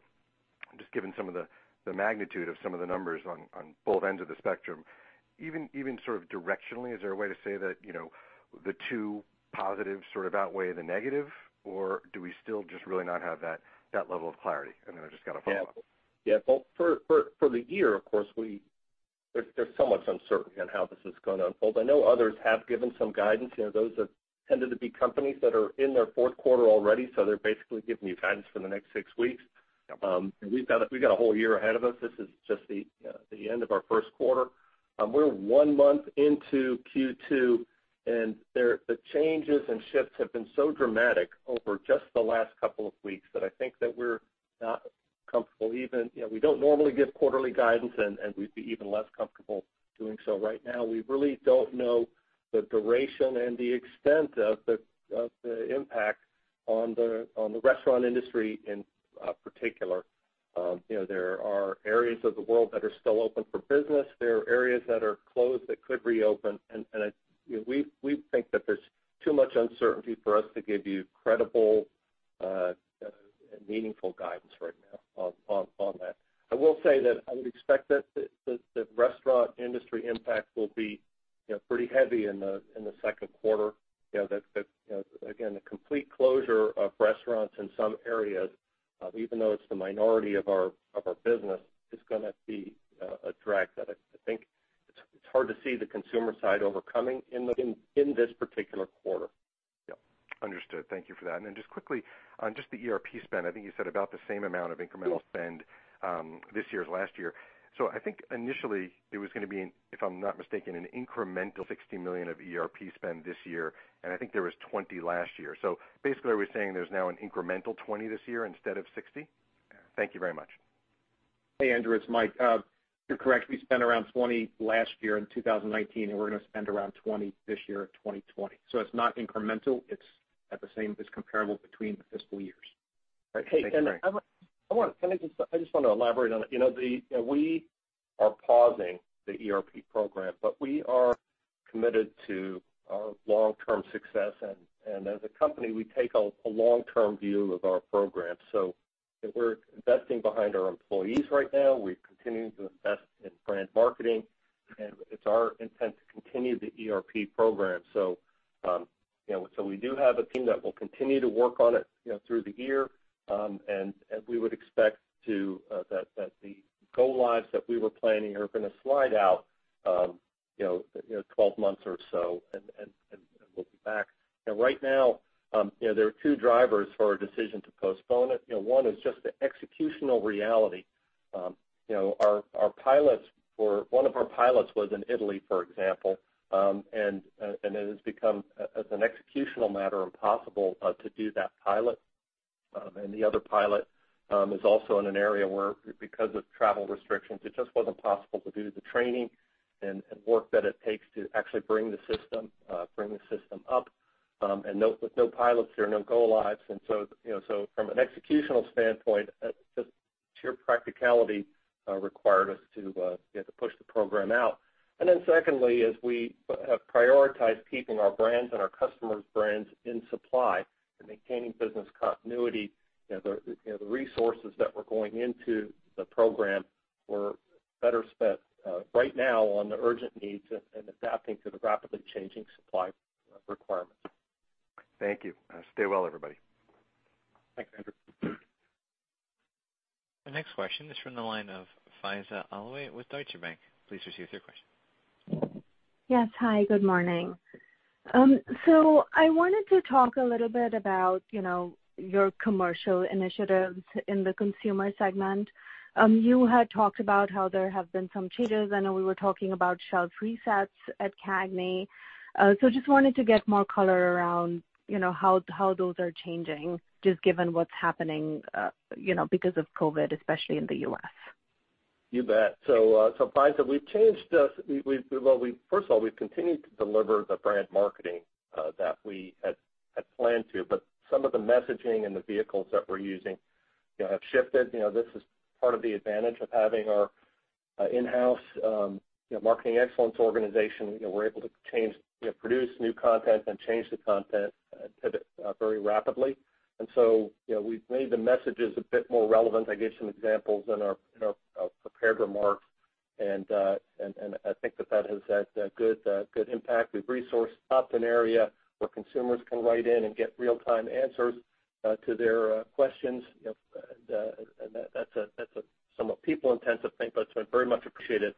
just given some of the magnitude of some of the numbers on both ends of the spectrum, even directionally, is there a way to say that the two positives outweigh the negative, or do we still just really not have that level of clarity? I've just got a follow-up.
Yeah. Well, for the year, of course, there's so much uncertainty on how this is going to unfold. I know others have given some guidance. Those have tended to be companies that are in their fourth quarter already, they're basically giving you guidance for the next six weeks.
Yep.
We've got a whole year ahead of us. This is just the end of our first quarter. We're one month into Q2, the changes and shifts have been so dramatic over just the last couple of weeks that I think that we're not comfortable. We don't normally give quarterly guidance, and we'd be even less comfortable doing so right now. We really don't know the duration and the extent of the impact on the restaurant industry in particular. There are areas of the world that are still open for business. There are areas that are closed that could reopen. We think that there's too much uncertainty for us to give you credible, meaningful guidance right now on that. I will say that I would expect that the restaurant industry impact will be pretty heavy in the second quarter. The complete closure of restaurants in some areas, even though it's the minority of our business, is going to be a drag that I think it's hard to see the consumer side overcoming in this particular quarter.
Yep. Understood. Thank you for that. Just quickly, on just the ERP spend, I think you said about the same amount of incremental spend this year as last year. I think initially it was going to be, if I'm not mistaken, an incremental $60 million of ERP spend this year, and I think there was $20 million last year. Basically, are we saying there's now an incremental $20 million this year instead of $60 million? Thank you very much.
Hey, Andrew, it's Mike. You're correct. We spent around $20 million last year in 2019, and we're going to spend around $20 million this year in 2020. It's not incremental, it's at the same. It's comparable between the fiscal years.
All right. Thanks, Mike.
Hey, Ken, I just want to elaborate on it. We are pausing the ERP program, we are committed to our long-term success. As a company, we take a long-term view of our programs. We're investing behind our employees right now. We're continuing to invest in brand marketing, it's our intent to continue the ERP program. We do have a team that will continue to work on it through the year. We would expect that the go-lives that we were planning are going to slide out 12 months or so, and we'll be back. Right now, there are two drivers for our decision to postpone it. One is just the executional reality. One of our pilots was in Italy, for example, it has become, as an executional matter, impossible to do that pilot. The other pilot is also in an area where, because of travel restrictions, it just wasn't possible to do the training and work that it takes to actually bring the system up. With no pilots, there are no go lives. From an executional standpoint, just sheer practicality required us to push the program out. Secondly, as we have prioritized keeping our brands and our customers' brands in supply and maintaining business continuity, the resources that were going into the program were better spent right now on the urgent needs and adapting to the rapidly changing supply requirements.
Thank you. Stay well, everybody.
Thanks, Andrew.
The next question is from the line of Faiza Alwy with Deutsche Bank. Please proceed with your question.
Yes. Hi, good morning. I wanted to talk a little bit about your commercial initiatives in the consumer segment. You had talked about how there have been some changes. I know we were talking about shelf resets at CAGNY. Just wanted to get more color around how those are changing, just given what's happening because of COVID, especially in the U.S.
You bet. Faiza, first of all, we've continued to deliver the brand marketing that we had planned to, but some of the messaging and the vehicles that we're using have shifted. This is part of the advantage of having our in-house marketing excellence organization. We're able to produce new content and change the content very rapidly. We've made the messages a bit more relevant. I gave some examples in our prepared remarks, and I think that has had a good impact. We've resourced up an area where consumers can write in and get real-time answers to their questions. That's a somewhat people-intensive thing, but it's been very much appreciated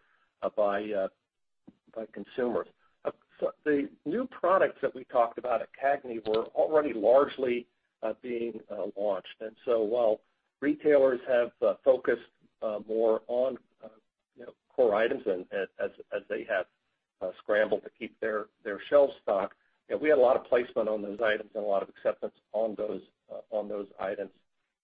by consumers. The new products that we talked about at CAGNY were already largely being launched. While retailers have focused more on core items as they have scrambled to keep their shelves stocked, we had a lot of placement on those items and a lot of acceptance on those items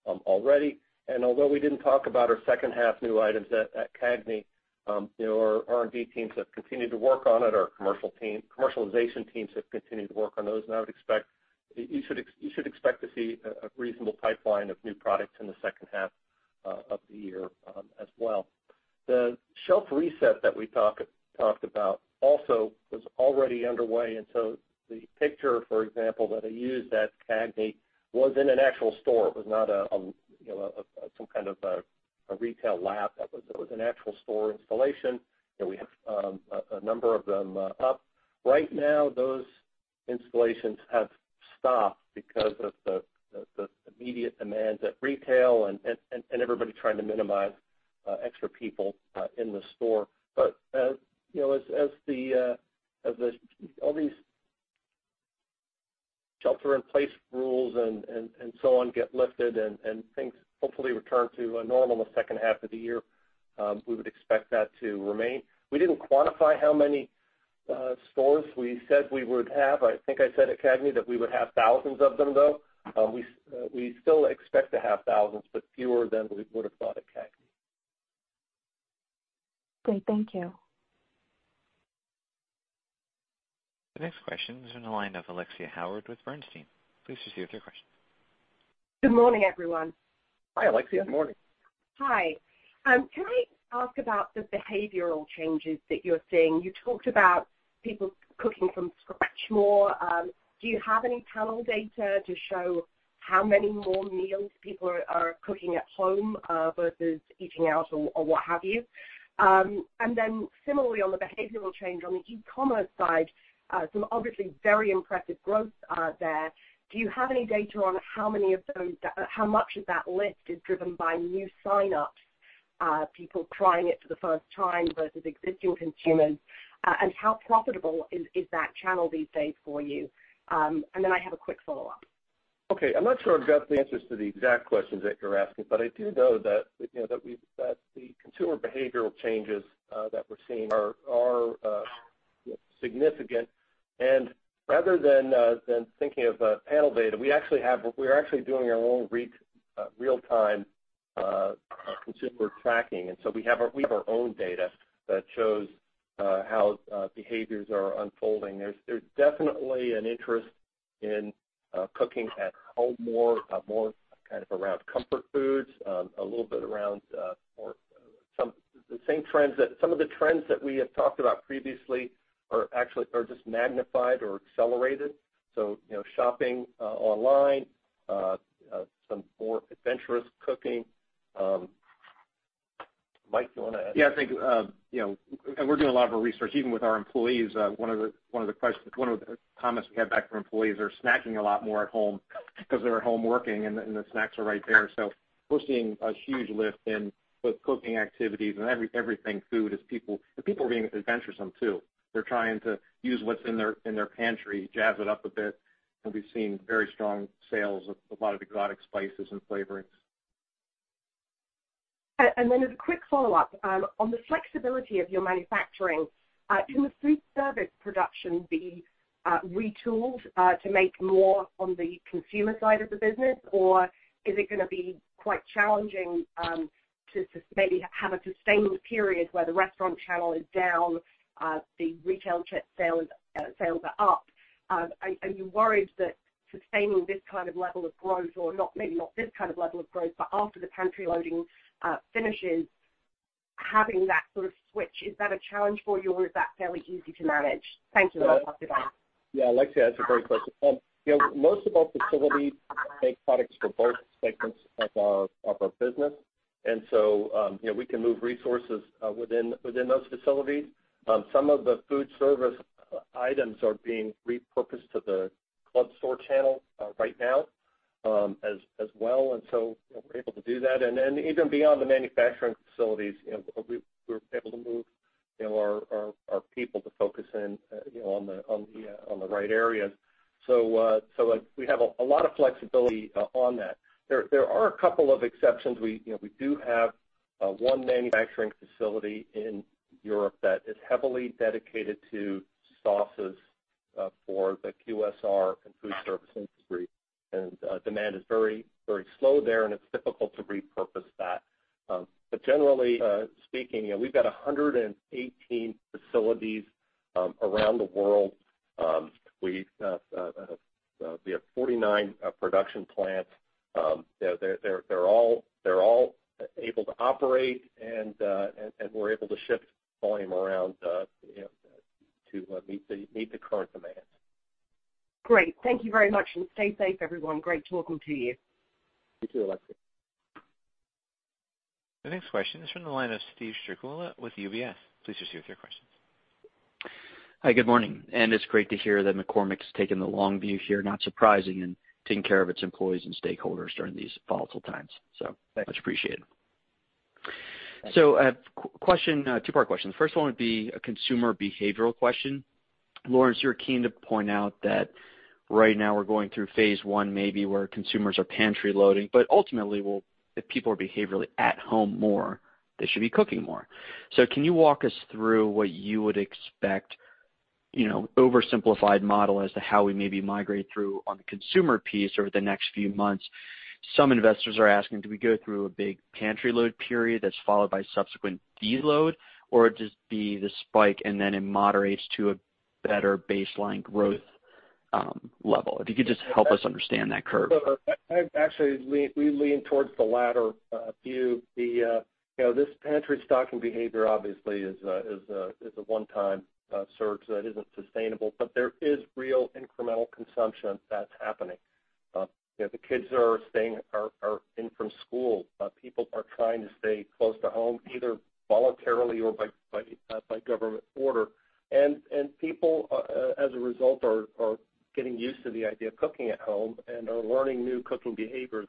already. Although we didn't talk about our second half new items at CAGNY, our R&D teams have continued to work on it. Our commercialization teams have continued to work on those, and you should expect to see a reasonable pipeline of new products in the second half of the year as well. The shelf reset that we talked about also was already underway. The picture, for example, that I used at CAGNY was in an actual store. It was not some kind of a retail lab. That was an actual store installation, and we have a number of them up. Right now, those installations have stopped because of the immediate demands at retail and everybody trying to minimize extra people in the store. As all these shelter-in-place rules and so on get lifted and things hopefully return to normal in the second half of the year, we would expect that to remain. We didn't quantify how many stores we said we would have. I think I said at CAGNY that we would have thousands of them, though. We still expect to have thousands, but fewer than we would've thought at CAGNY.
Great. Thank you.
The next question is in the line of Alexia Howard with Bernstein. Please proceed with your question.
Good morning, everyone.
Hi, Alexia.
Morning.
Hi. Can I ask about the behavioral changes that you're seeing? You talked about people cooking from scratch more. Do you have any panel data to show how many more meals people are cooking at home versus eating out or what have you? Similarly, on the behavioral change on the e-commerce side, some obviously very impressive growth there. Do you have any data on how much of that lift is driven by new signups, people trying it for the first time versus existing consumers? How profitable is that channel these days for you? I have a quick follow-up.
Okay. I'm not sure I've got the answers to the exact questions that you're asking, but I do know that the consumer behavioral changes that we're seeing are significant. Rather than thinking of panel data, we are actually doing our own real-time consumer tracking. We have our own data that shows how behaviors are unfolding. There's definitely an interest in cooking at home more, more kind of around comfort foods, a little bit around some of the trends that we have talked about previously are just magnified or accelerated. Shopping online, some more adventurous cooking. Mike, do you want to add?
I think, we're doing a lot of our research, even with our employees. One of the comments we had back from employees are snacking a lot more at home because they're at home working, and the snacks are right there. We're seeing a huge lift in both cooking activities and everything food as people. People are being adventuresome, too. They're trying to use what's in their pantry, jazz it up a bit. We've seen very strong sales of a lot of exotic spices and flavorings.
Then as a quick follow-up, on the flexibility of your manufacturing, can the foodservice production be retooled to make more on the consumer side of the business? Is it going to be quite challenging to maybe have a sustained period where the restaurant channel is down, the retail sales are up? Are you worried that sustaining this kind of level of growth or maybe not this kind of level of growth, but after the pantry loading finishes, having that sort of switch, is that a challenge for you or is that fairly easy to manage? Thank you. I'll pass it back.
Yeah, Alexia, that's a great question. Most of our facilities make products for both segments of our business. We can move resources within those facilities. Some of the food service items are being repurposed to the club store channel right now as well. We're able to do that. Even beyond the manufacturing facilities, we're able to move our people to focus in on the right areas. We have a lot of flexibility on that. There are a couple of exceptions. We do have one manufacturing facility in Europe that is heavily dedicated to sauces for the QSR and food service industry. Demand is very slow there, and it's difficult to repurpose that. Generally speaking, we've got 118 facilities around the world. We have 49 production plants. They're all able to operate, and we're able to shift volume around to meet the current demands.
Great. Thank you very much, and stay safe, everyone. Great talking to you.
You too, Alexia.
The next question is from the line of Steve Strycula with UBS. Please proceed with your questions.
Hi, good morning. It's great to hear that McCormick's taken the long view here, not surprising, in taking care of its employees and stakeholders during these volatile times. Much appreciated.
Thank you.
Two-part question. The first one would be a consumer behavioral question. Lawrence, you're keen to point out that right now we're going through phase one, maybe where consumers are pantry loading, but ultimately, if people are behaviorally at home more, they should be cooking more. Can you walk us through what you would expect, oversimplified model as to how we maybe migrate through on the consumer piece over the next few months? Some investors are asking, do we go through a big pantry load period that's followed by subsequent deload, or it just be the spike and then it moderates to a better baseline growth level. If you could just help us understand that curve.
Actually, we lean towards the latter view. This pantry stocking behavior obviously is a one-time surge that isn't sustainable, but there is real incremental consumption that's happening. The kids are in from school. People are trying to stay close to home, either voluntarily or by government order. People, as a result, are getting used to the idea of cooking at home and are learning new cooking behaviors.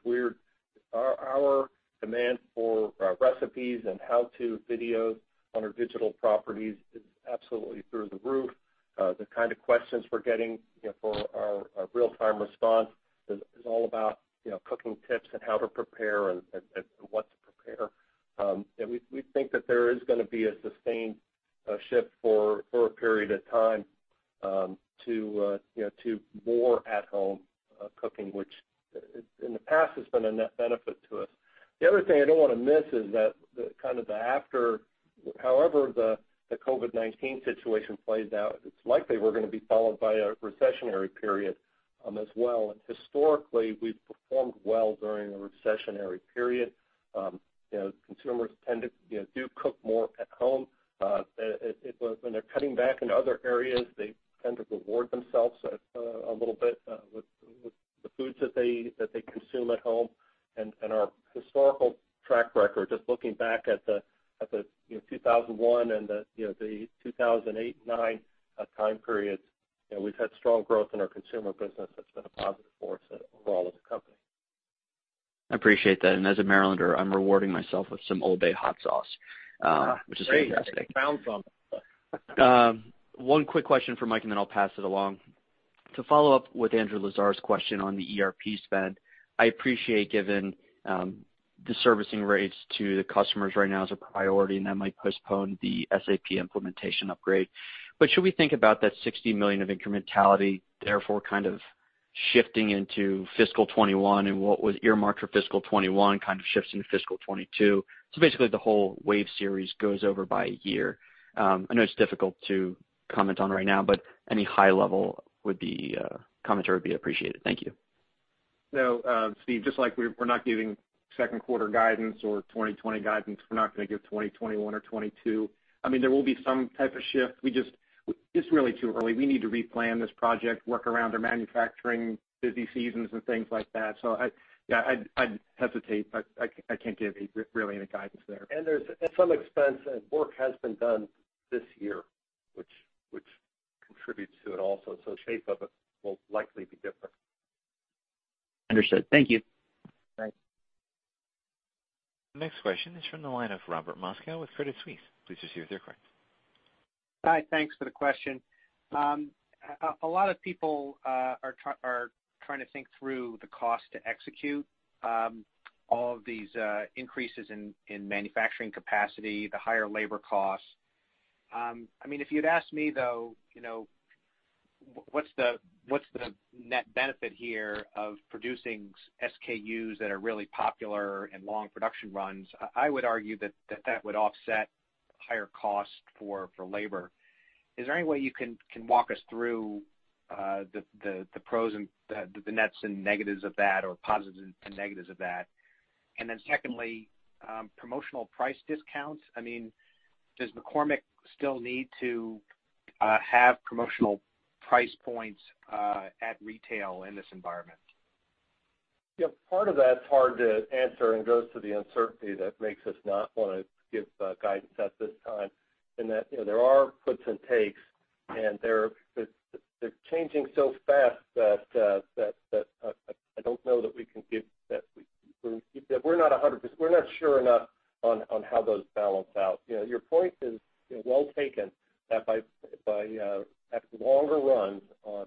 Our demand for recipes and how-to videos on our digital properties is absolutely through the roof. The kind of questions we're getting for our real-time response is all about cooking tips and how to prepare and what to prepare. We think that there is going to be a sustained shift for a period of time
shifting into fiscal 2021 and what was earmarked for fiscal 2021 kind of shifts into fiscal 2022? Basically, the whole wave series goes over by a year. I know it's difficult to comment on right now, but any high level commentary would be appreciated. Thank you.
Steve, just like we're not giving second quarter guidance or 2020 guidance, we're not going to give 2021 or 2022. There will be some type of shift. It's really too early. We need to replan this project, work around our manufacturing busy seasons and things like that. I'd hesitate, but I can't give really any guidance there.
Some expense and work has been done this year, which contributes to it also. The shape of it will likely be different.
Understood. Thank you.
Thanks.
Next question is from the line of Robert Moskow with Credit Suisse. Please proceed with your question.
Hi, thanks for the question. A lot of people are trying to think through the cost to execute all of these increases in manufacturing capacity, the higher labor costs. If you'd asked me, though, what's the net benefit here of producing SKUs that are really popular and long production runs, I would argue that that would offset higher costs for labor. Is there any way you can walk us through the pros and positives and negatives of that? Secondly, promotional price discounts. Does McCormick still need to have promotional price points at retail in this environment?
Part of that's hard to answer and goes to the uncertainty that makes us not want to give guidance at this time, in that there are puts and takes, and they're changing so fast that I don't know that we're not sure enough on how those balance out. Your point is well taken, that by having longer runs on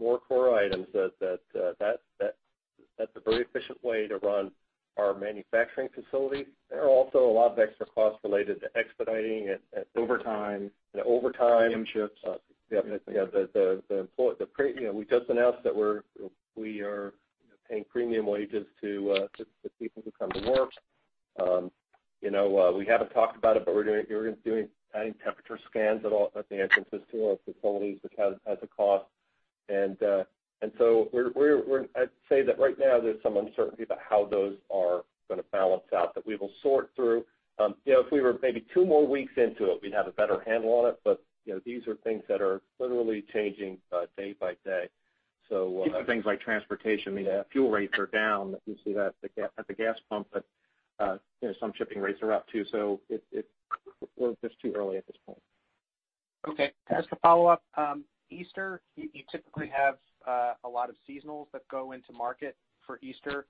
more core items, that's a very efficient way to run our manufacturing facility. There are also a lot of extra costs related to expediting it.
Overtime.
The overtime.
Premium shifts.
We just announced that we are paying premium wages to people who come to work. We haven't talked about it, but we're doing temperature scans at the entrances to our facilities, which has a cost. I'd say that right now there's some uncertainty about how those are going to balance out, that we will sort through. If we were maybe two more weeks into it, we'd have a better handle on it. But these are things that are literally changing day by day.
Even things like transportation, fuel rates are down. You see that at the gas pump, some shipping rates are up, too. It's just too early at this point.
Okay. As for follow-up, Easter, you typically have a lot of seasonals that go into market for Easter.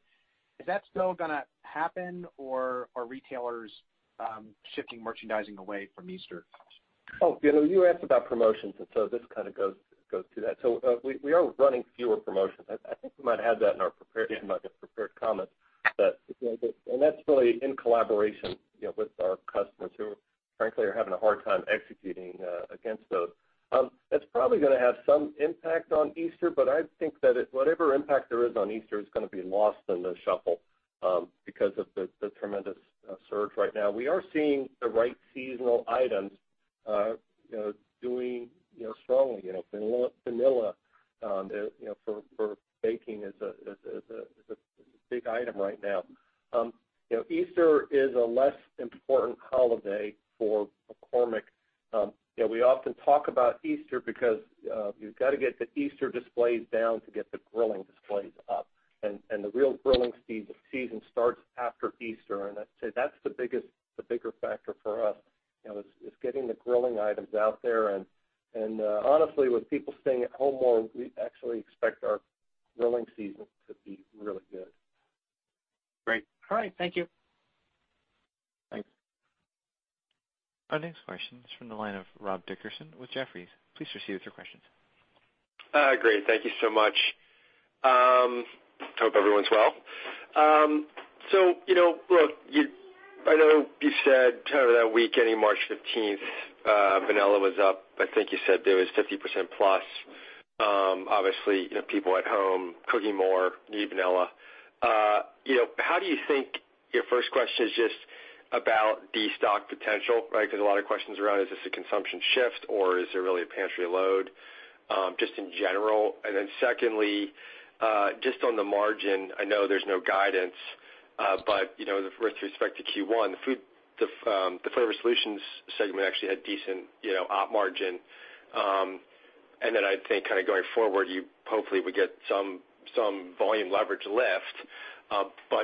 Is that still going to happen, or are retailers shifting merchandising away from Easter?
You asked about promotions, this kind of goes to that. We are running fewer promotions. I think we might have had that in our prepared comments. That's really in collaboration with our customers who, frankly, are having a hard time executing against those. That's probably going to have some impact on Easter, but I think that whatever impact there is on Easter is going to be lost in the shuffle. Of the tremendous surge right now. We are seeing the right seasonal items doing strongly. Vanilla for baking is a big item right now. Easter is a less important holiday for McCormick. We often talk about Easter because you've got to get the Easter displays down to get the grilling displays up, and the real grilling season starts after Easter. I'd say that's the bigger factor for us, is getting the grilling items out there. Honestly, with people staying at home more, we actually expect our grilling season to be really good.
Great. All right, thank you.
Thanks.
Our next question is from the line of Rob Dickerson with Jefferies. Please proceed with your questions.
Great. Thank you so much. Hope everyone's well. I know you said kind of that week ending March 15th, vanilla was up, I think you said it was 50%+. Obviously, people at home cooking more need vanilla. First question is just about de-stock potential, right? Because a lot of questions around, is this a consumption shift or is there really a pantry load, just in general. Secondly, just on the margin, I know there's no guidance, but with respect to Q1, the Flavor Solutions segment actually had decent op margin. I'd think kind of going forward, you hopefully would get some volume leverage lift.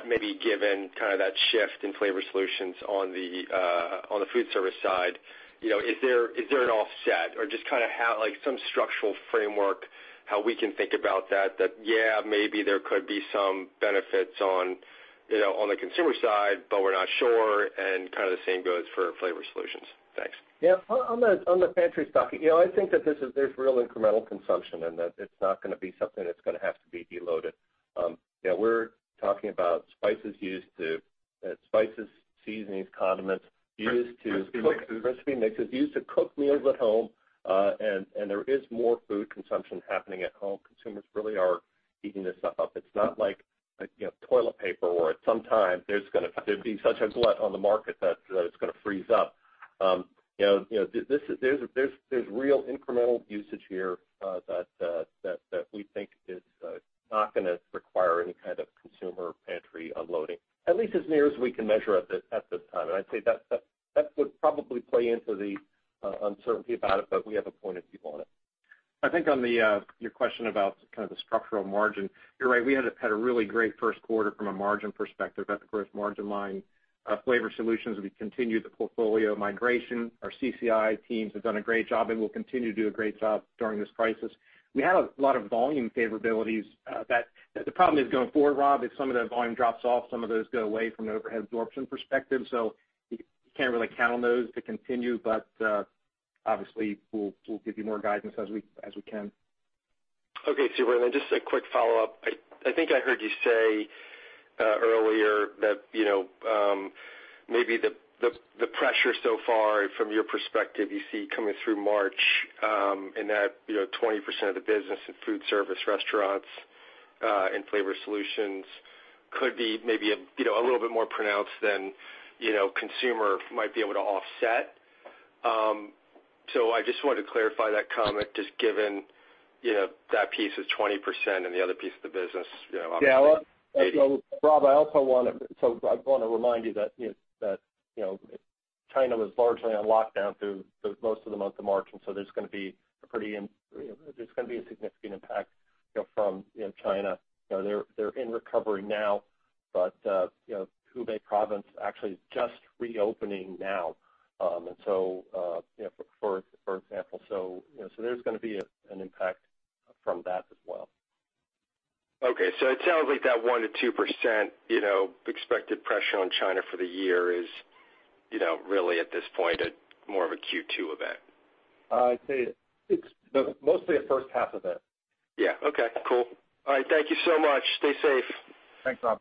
Maybe given that shift in Flavor Solutions on the food service side, is there an offset or just some structural framework how we can think about that? Yeah, maybe there could be some benefits on the consumer side, but we're not sure, and kind of the same goes for Flavor Solutions. Thanks.
Yeah. On the pantry stocking, I think that there's real incremental consumption and that it's not going to be something that's going to have to be de-loaded. We're talking about spices, seasonings, condiments used to cook.
Recipe mixes
Recipe mixes, used to cook meals at home, and there is more food consumption happening at home. Consumers really are eating this stuff up. It's not like toilet paper where at some time, there'd be such a glut on the market that it's going to freeze up. There's real incremental usage here that we think is not going to require any kind of consumer pantry unloading, at least as near as we can measure at this time. I'd say that would probably play into the uncertainty about it, but we have appointed people on it.
I think on your question about kind of the structural margin, you're right, we had a really great first quarter from a margin perspective, operating margin line. Flavor Solutions, we continued the portfolio migration. Our CCI teams have done a great job and will continue to do a great job during this crisis. We had a lot of volume favorabilities that the problem is going forward, Rob, if some of the volume drops off, some of those go away from an overhead absorption perspective. You can't really count on those to continue, but, obviously, we'll give you more guidance as we can.
Okay, super. Just a quick follow-up. I think I heard you say earlier that maybe the pressure so far from your perspective, you see coming through March, in that 20% of the business in food service restaurants, in Flavor Solutions could be maybe a little bit more pronounced than consumer might be able to offset. I just wanted to clarify that comment, just given that piece is 20% and the other piece of the business, obviously 80%.
Rob, I want to remind you that China was largely on lockdown through most of the month of March. There's going to be a significant impact from China. They're in recovery now, but Hubei province actually is just reopening now, for example. There's going to be an impact from that as well.
Okay, it sounds like that 1% to 2% expected pressure on China for the year is really, at this point, more of a Q2 event.
I'd say it's mostly a first half event.
Yeah. Okay, cool. All right, thank you so much. Stay safe.
Thanks, Rob.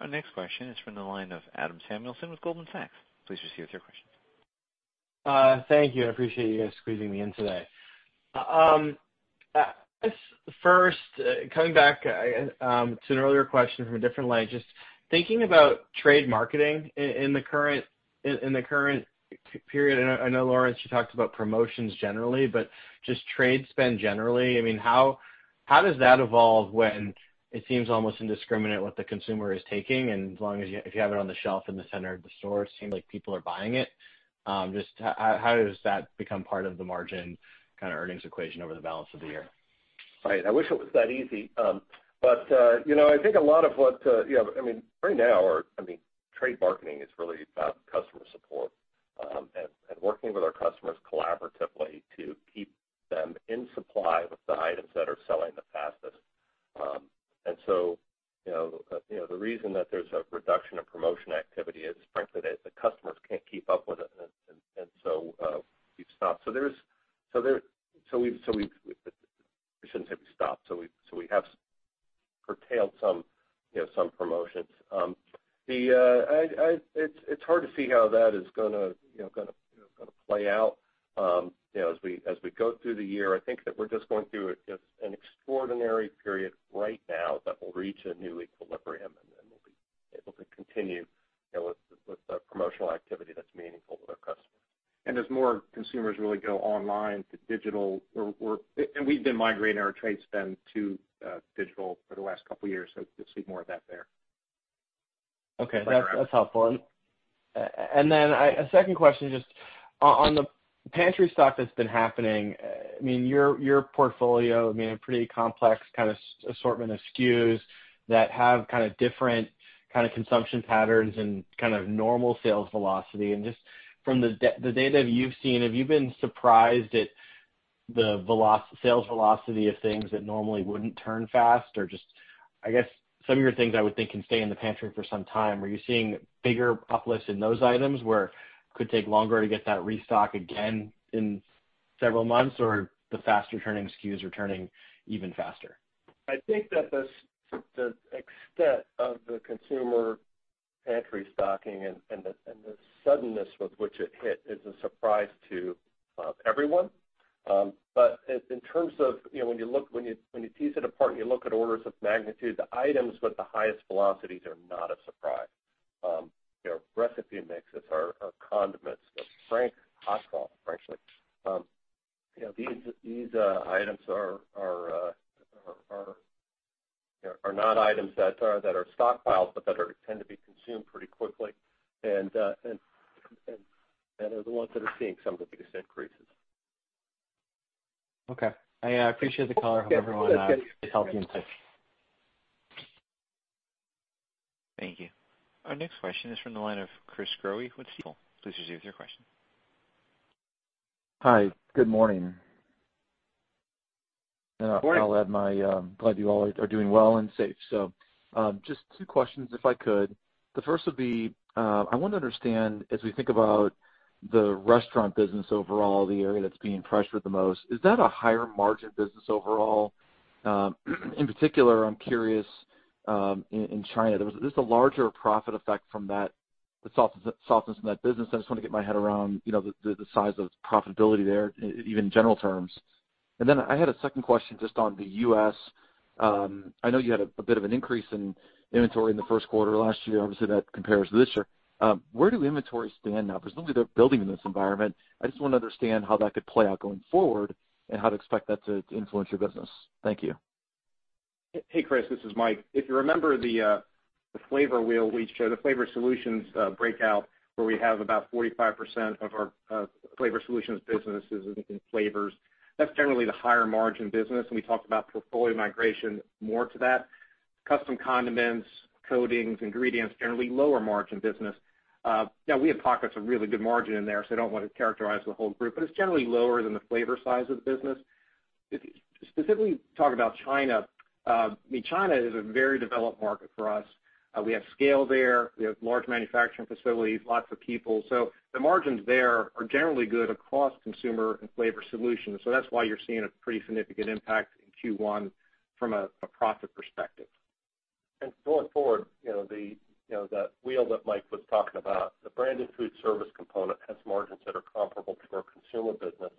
Our next question is from the line of Adam Samuelson with Goldman Sachs. Please proceed with your questions.
Thank you. I appreciate you guys squeezing me in today. First, coming back to an earlier question from a different lens, just thinking about trade marketing in the current period, and I know, Lawrence, you talked about promotions generally, but just trade spend generally, how does that evolve when it seems almost indiscriminate what the consumer is taking and if you have it on the shelf in the center of the store, it seems like people are buying it. Just how does that become part of the margin kind of earnings equation over the balance of the year?
Right. I wish it was that easy. Right now, trade marketing is really about customer support, and working with our customers collaboratively to keep them in supply with the items that are selling the fastest. The reason that there's a reduction of promotion activity is frankly that the customers can't keep up with it, and so we've stopped. I shouldn't say we've stopped. We have curtailed some promotions. It's hard to see how that is going to play out as we go through the year. I think that we're just going through an extraordinary period right now that will reach a new equilibrium, and then we'll be able to continue with the promotional activity that's meaningful to our customers. As more consumers really go online to digital, and we've been migrating our trade spend to digital for the last couple of years, so you'll see more of that there.
Okay. That's helpful. A second question, just on the pantry stock that's been happening, your portfolio, pretty complex kind of assortment of SKUs that have different kind of consumption patterns and kind of normal sales velocity. Just from the data you've seen, have you been surprised at the sales velocity of things that normally wouldn't turn fast? Just, I guess some of your things I would think can stay in the pantry for some time. Are you seeing bigger uplifts in those items where could take longer to get that restock again in several months? The faster turning SKUs are turning even faster?
I think that the extent of the consumer pantry stocking and the suddenness with which it hit is a surprise to everyone. In terms of when you tease it apart and you look at orders of magnitude, the items with the highest velocities are not a surprise, recipe mixes or condiments, like hot sauce, frankly. These items are not items that are stockpiled, but that are tend to be consumed pretty quickly, and are the ones that are seeing some of the biggest increases.
Okay. I appreciate the color. Hope everyone is healthy and safe.
Thank you. Our next question is from the line of Chris Growe with Stifel. Please proceed with your question.
Hi. Good morning.
Morning.
I'll add, glad you all are doing well and safe. Just two questions, if I could. The first would be, I want to understand, as we think about the restaurant business overall, the area that's being pressured the most, is that a higher margin business overall? In particular, I'm curious in China. There's a larger profit effect from that softness in that business. I just want to get my head around the size of profitability there, even in general terms. I had a second question just on the U.S. I know you had a bit of an increase in inventory in the first quarter last year. Obviously, that compares to this year. Where do inventories stand now? Presumably, they're building in this environment. I just want to understand how that could play out going forward and how to expect that to influence your business. Thank you.
Hey, Chris, this is Mike. You remember the flavor wheel we show, the Flavor Solutions breakout, where we have about 45% of our Flavor Solutions business is in flavors. That's generally the higher margin business. We talked about portfolio migration more to that. Custom condiments, coatings, ingredients, generally lower margin business. We have pockets of really good margin in there, so I don't want to characterize the whole group, but it's generally lower than the flavor size of the business. Specifically, talk about China. China is a very developed market for us. We have scale there, we have large manufacturing facilities, lots of people. The margins there are generally good across consumer and Flavor Solutions. That's why you're seeing a pretty significant impact in Q1 from a profit perspective.
Going forward, that wheel that Mike was talking about, the branded food service component has margins that are comparable to our consumer business.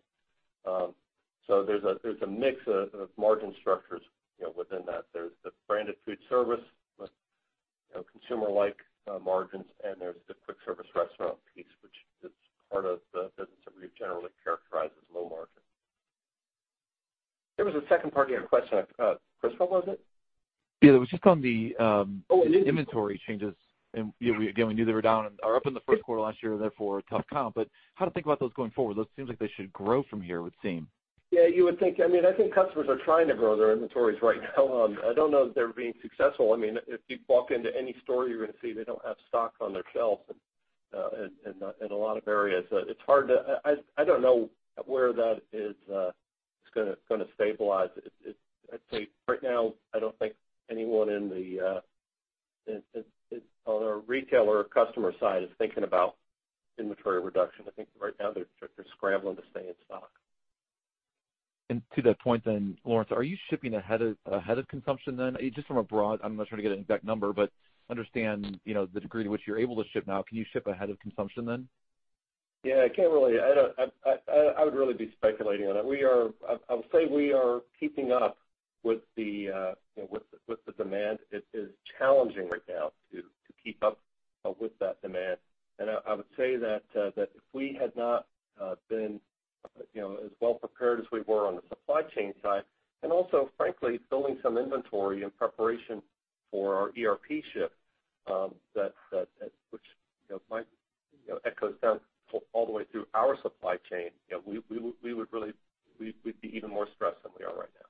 There's a mix of margin structures within that. There's the branded food service with consumer-like margins, and there's the quick service restaurant piece, which is part of the business that we generally characterize as low margin.
There was a second part to your question, Chris, what was it?
Yeah, it was just.
Oh, inventory
Inventory changes. Again, we knew they were up in the first quarter last year, therefore, tough comp. How to think about those going forward? It seems like they should grow from here, it would seem.
Yeah, you would think. I think customers are trying to grow their inventories right now. I don't know that they're being successful. If you walk into any store, you're going to see they don't have stock on their shelves in a lot of areas. I don't know where that is going to stabilize. I'd say right now, I don't think anyone on our retail or customer side is thinking about inventory reduction. I think right now they're scrambling to stay in stock.
To that point then, Lawrence, are you shipping ahead of consumption then? From abroad, I'm not trying to get an exact number, but understand the degree to which you're able to ship now. Can you ship ahead of consumption then?
Yeah, I can't really. I would really be speculating on that. I would say we are keeping up with the demand. It is challenging right now to keep up with that demand. I would say that if we had not been as well prepared as we were on the supply chain side, and also frankly, building some inventory in preparation for our ERP shift, which might echo down all the way through our supply chain, we'd be even more stressed than we are right now.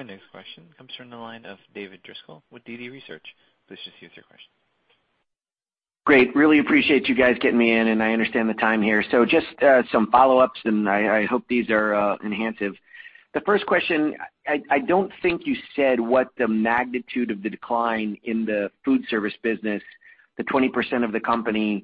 Great, thanks.
Our next question comes from the line of David Driscoll with DD Research. Please proceed with your question.
Great. Really appreciate you guys getting me in, and I understand the time here. Just some follow-ups, and I hope these are enhancive. The first question, I don't think you said what the magnitude of the decline in the food service business, the 20% of the company in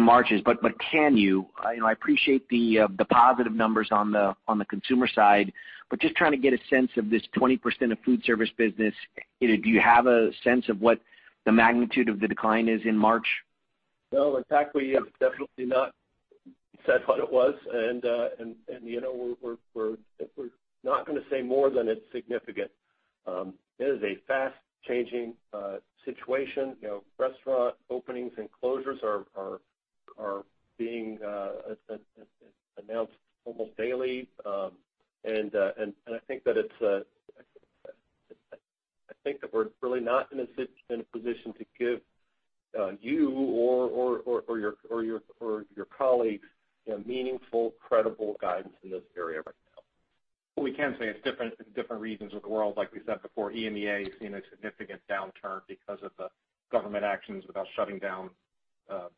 March is, but can you? I appreciate the positive numbers on the consumer side, but just trying to get a sense of this 20% of food service business. Do you have a sense of what the magnitude of the decline is in March?
No. In fact, we have definitely not said what it was. We're not going to say more than it's significant. It is a fast-changing situation. Restaurant openings and closures are being announced almost daily. I think that we're really not in a position to give you or your colleagues meaningful, credible guidance in this area right now. What we can say, it's different in different regions of the world. Like we said before, EMEA has seen a significant downturn because of the government actions about shutting down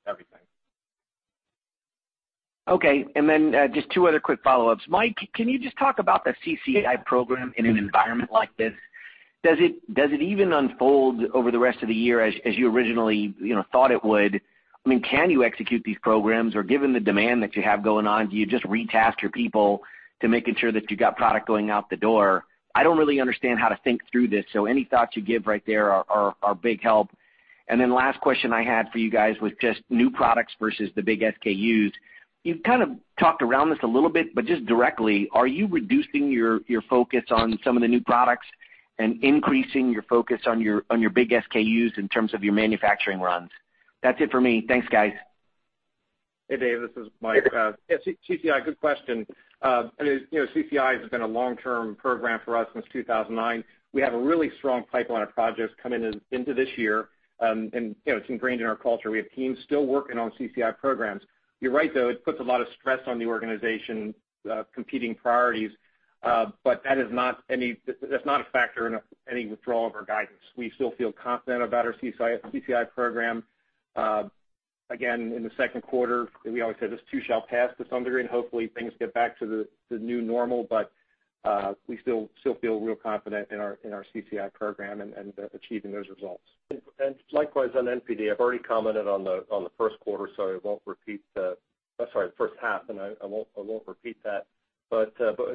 everything.
Just two other quick follow-ups. Mike, can you just talk about the CCI program in an environment like this? Does it even unfold over the rest of the year as you originally thought it would? Can you execute these programs, or given the demand that you have going on, do you just retask your people to making sure that you got product going out the door? I don't really understand how to think through this, so any thoughts you give right there are a big help. Last question I had for you guys was just new products versus the big SKUs. You've kind of talked around this a little bit, but just directly, are you reducing your focus on some of the new products and increasing your focus on your big SKUs in terms of your manufacturing runs? That's it for me. Thanks, guys.
Hey, David, this is Mike. Yeah, CCI, good question. CCI has been a long-term program for us since 2009. We have a really strong pipeline of projects coming into this year. It's ingrained in our culture. We have teams still working on CCI programs. You're right, though, it puts a lot of stress on the organization, competing priorities, that's not a factor in any withdrawal of our guidance. We still feel confident about our CCI program. In the second quarter, we always say this too shall pass to some degree, hopefully things get back to the new normal, we still feel real confident in our CCI program and achieving those results.
Likewise, on NPD, I've already commented on the first quarter, so I won't repeat. I'm sorry, first half, and I won't repeat that.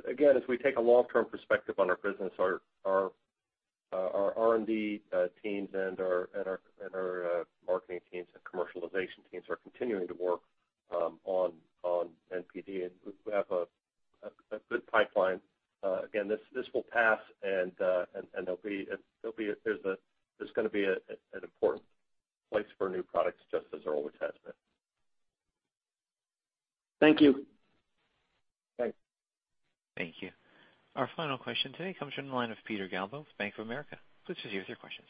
Again, as we take a long-term perspective on our business, our R&D teams and our marketing teams and commercialization teams are continuing to work on NPD, and we have a good pipeline. This will pass, and there's going to be an important place for new products, just as there always has been.
Thank you.
Thanks.
Thank you. Our final question today comes from the line of Peter Galbo from Bank of America. Please proceed with your questions.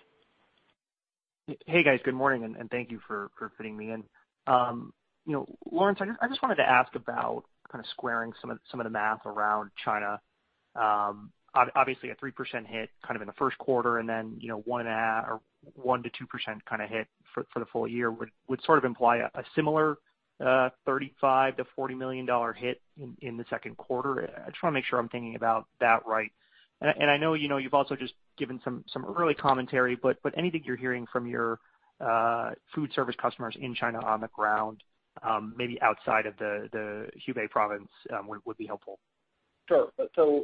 Hey, guys. Good morning, and thank you for fitting me in. Lawrence, I just wanted to ask about kind of squaring some of the math around China. Obviously, a 3% hit kind of in the first quarter and then 1%-2% kind of hit for the full year would sort of imply a similar $35 million-$40 million hit in the second quarter. I just want to make sure I'm thinking about that right. I know you've also just given some early commentary. Anything you're hearing from your food service customers in China on the ground, maybe outside of the Hubei province, would be helpful.
Sure.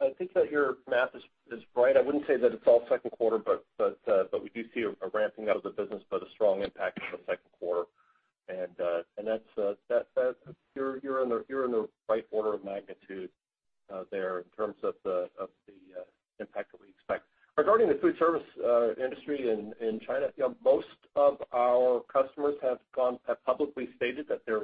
I think that your math is right. I wouldn't say that it's all second quarter, but we do see a ramping out of the business, but a strong impact in the second quarter. You're in the right order of magnitude there in terms of the impact that we expect. Regarding the food service industry in China, most of our customers have publicly stated that their restaurants are open, and they are.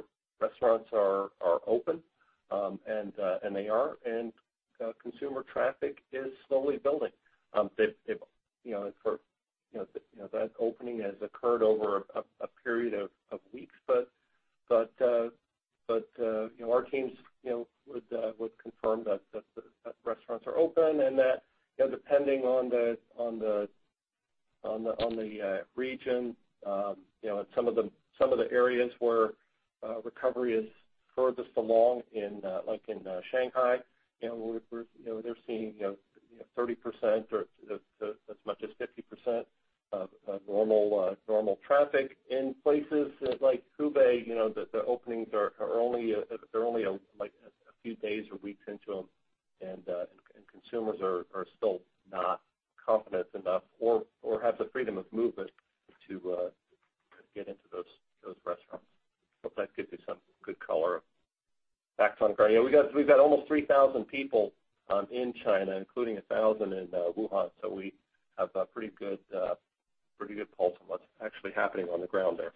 Consumer traffic is slowly building. That opening has occurred over a period of weeks, but our teams would confirm that restaurants are open and that depending on the region, some of the areas where recovery is furthest along, like in Shanghai, they're seeing 30% or as much as 50% of normal traffic. In places like Hubei, the openings, they're only a few days or weeks into them, and consumers are still not confident enough or have the freedom of movement to get into those restaurants. Hope that gives you some good color. Back to you. We've got almost 3,000 people in China, including 1,000 in Wuhan, so we have a pretty good pulse on what's actually happening on the ground there.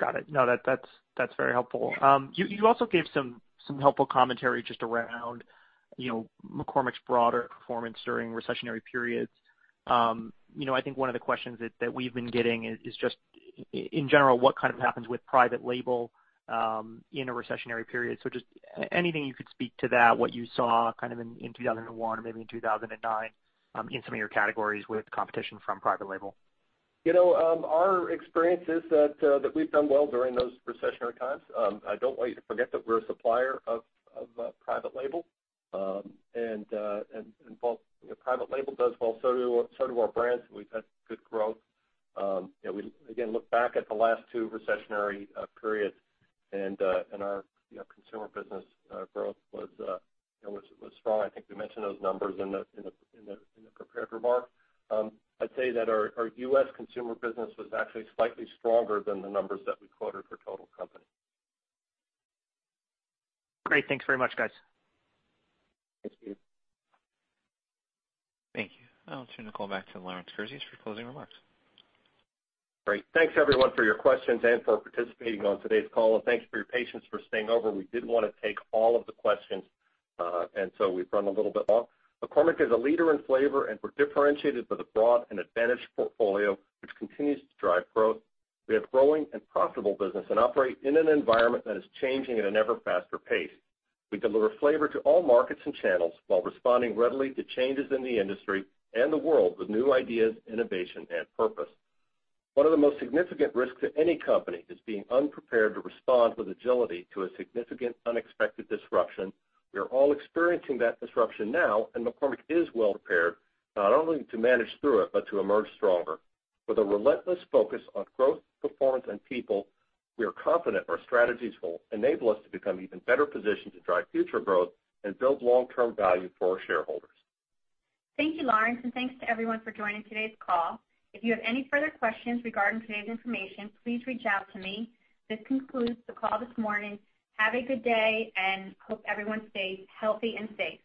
Got it. No, that's very helpful. You also gave some helpful commentary just around McCormick's broader performance during recessionary periods. I think one of the questions that we've been getting is just, in general, what kind of happens with private label in a recessionary period? Just anything you could speak to that, what you saw kind of in 2001 or maybe in 2009 in some of your categories with competition from private label?
Our experience is that we've done well during those recessionary times. I don't want you to forget that we're a supplier of private label. Private label does well, so do our brands. We've had good growth. We, again, look back at the last two recessionary periods, and our consumer business growth was strong. I think we mentioned those numbers in the prepared remarks. I'd say that our U.S. consumer business was actually slightly stronger than the numbers that we quoted for total company.
Great. Thanks very much, guys.
Thanks, Peter.
Thank you. I'll turn the call back to Lawrence Kurzius for closing remarks.
Great. Thanks, everyone, for your questions and for participating on today's call. Thank you for your patience for staying over. We did want to take all of the questions, we've run a little bit long. McCormick is a leader in flavor, we're differentiated with a broad and advantaged portfolio, which continues to drive growth. We have growing and profitable business operate in an environment that is changing at an ever faster pace. We deliver flavor to all markets and channels while responding readily to changes in the industry and the world with new ideas, innovation, and purpose. One of the most significant risks to any company is being unprepared to respond with agility to a significant unexpected disruption. We are all experiencing that disruption now, McCormick is well prepared, not only to manage through it, but to emerge stronger. With a relentless focus on growth, performance, and people, we are confident our strategies will enable us to become even better positioned to drive future growth and build long-term value for our shareholders.
Thank you, Lawrence, and thanks to everyone for joining today's call. If you have any further questions regarding today's information, please reach out to me. This concludes the call this morning. Have a good day, and hope everyone stays healthy and safe.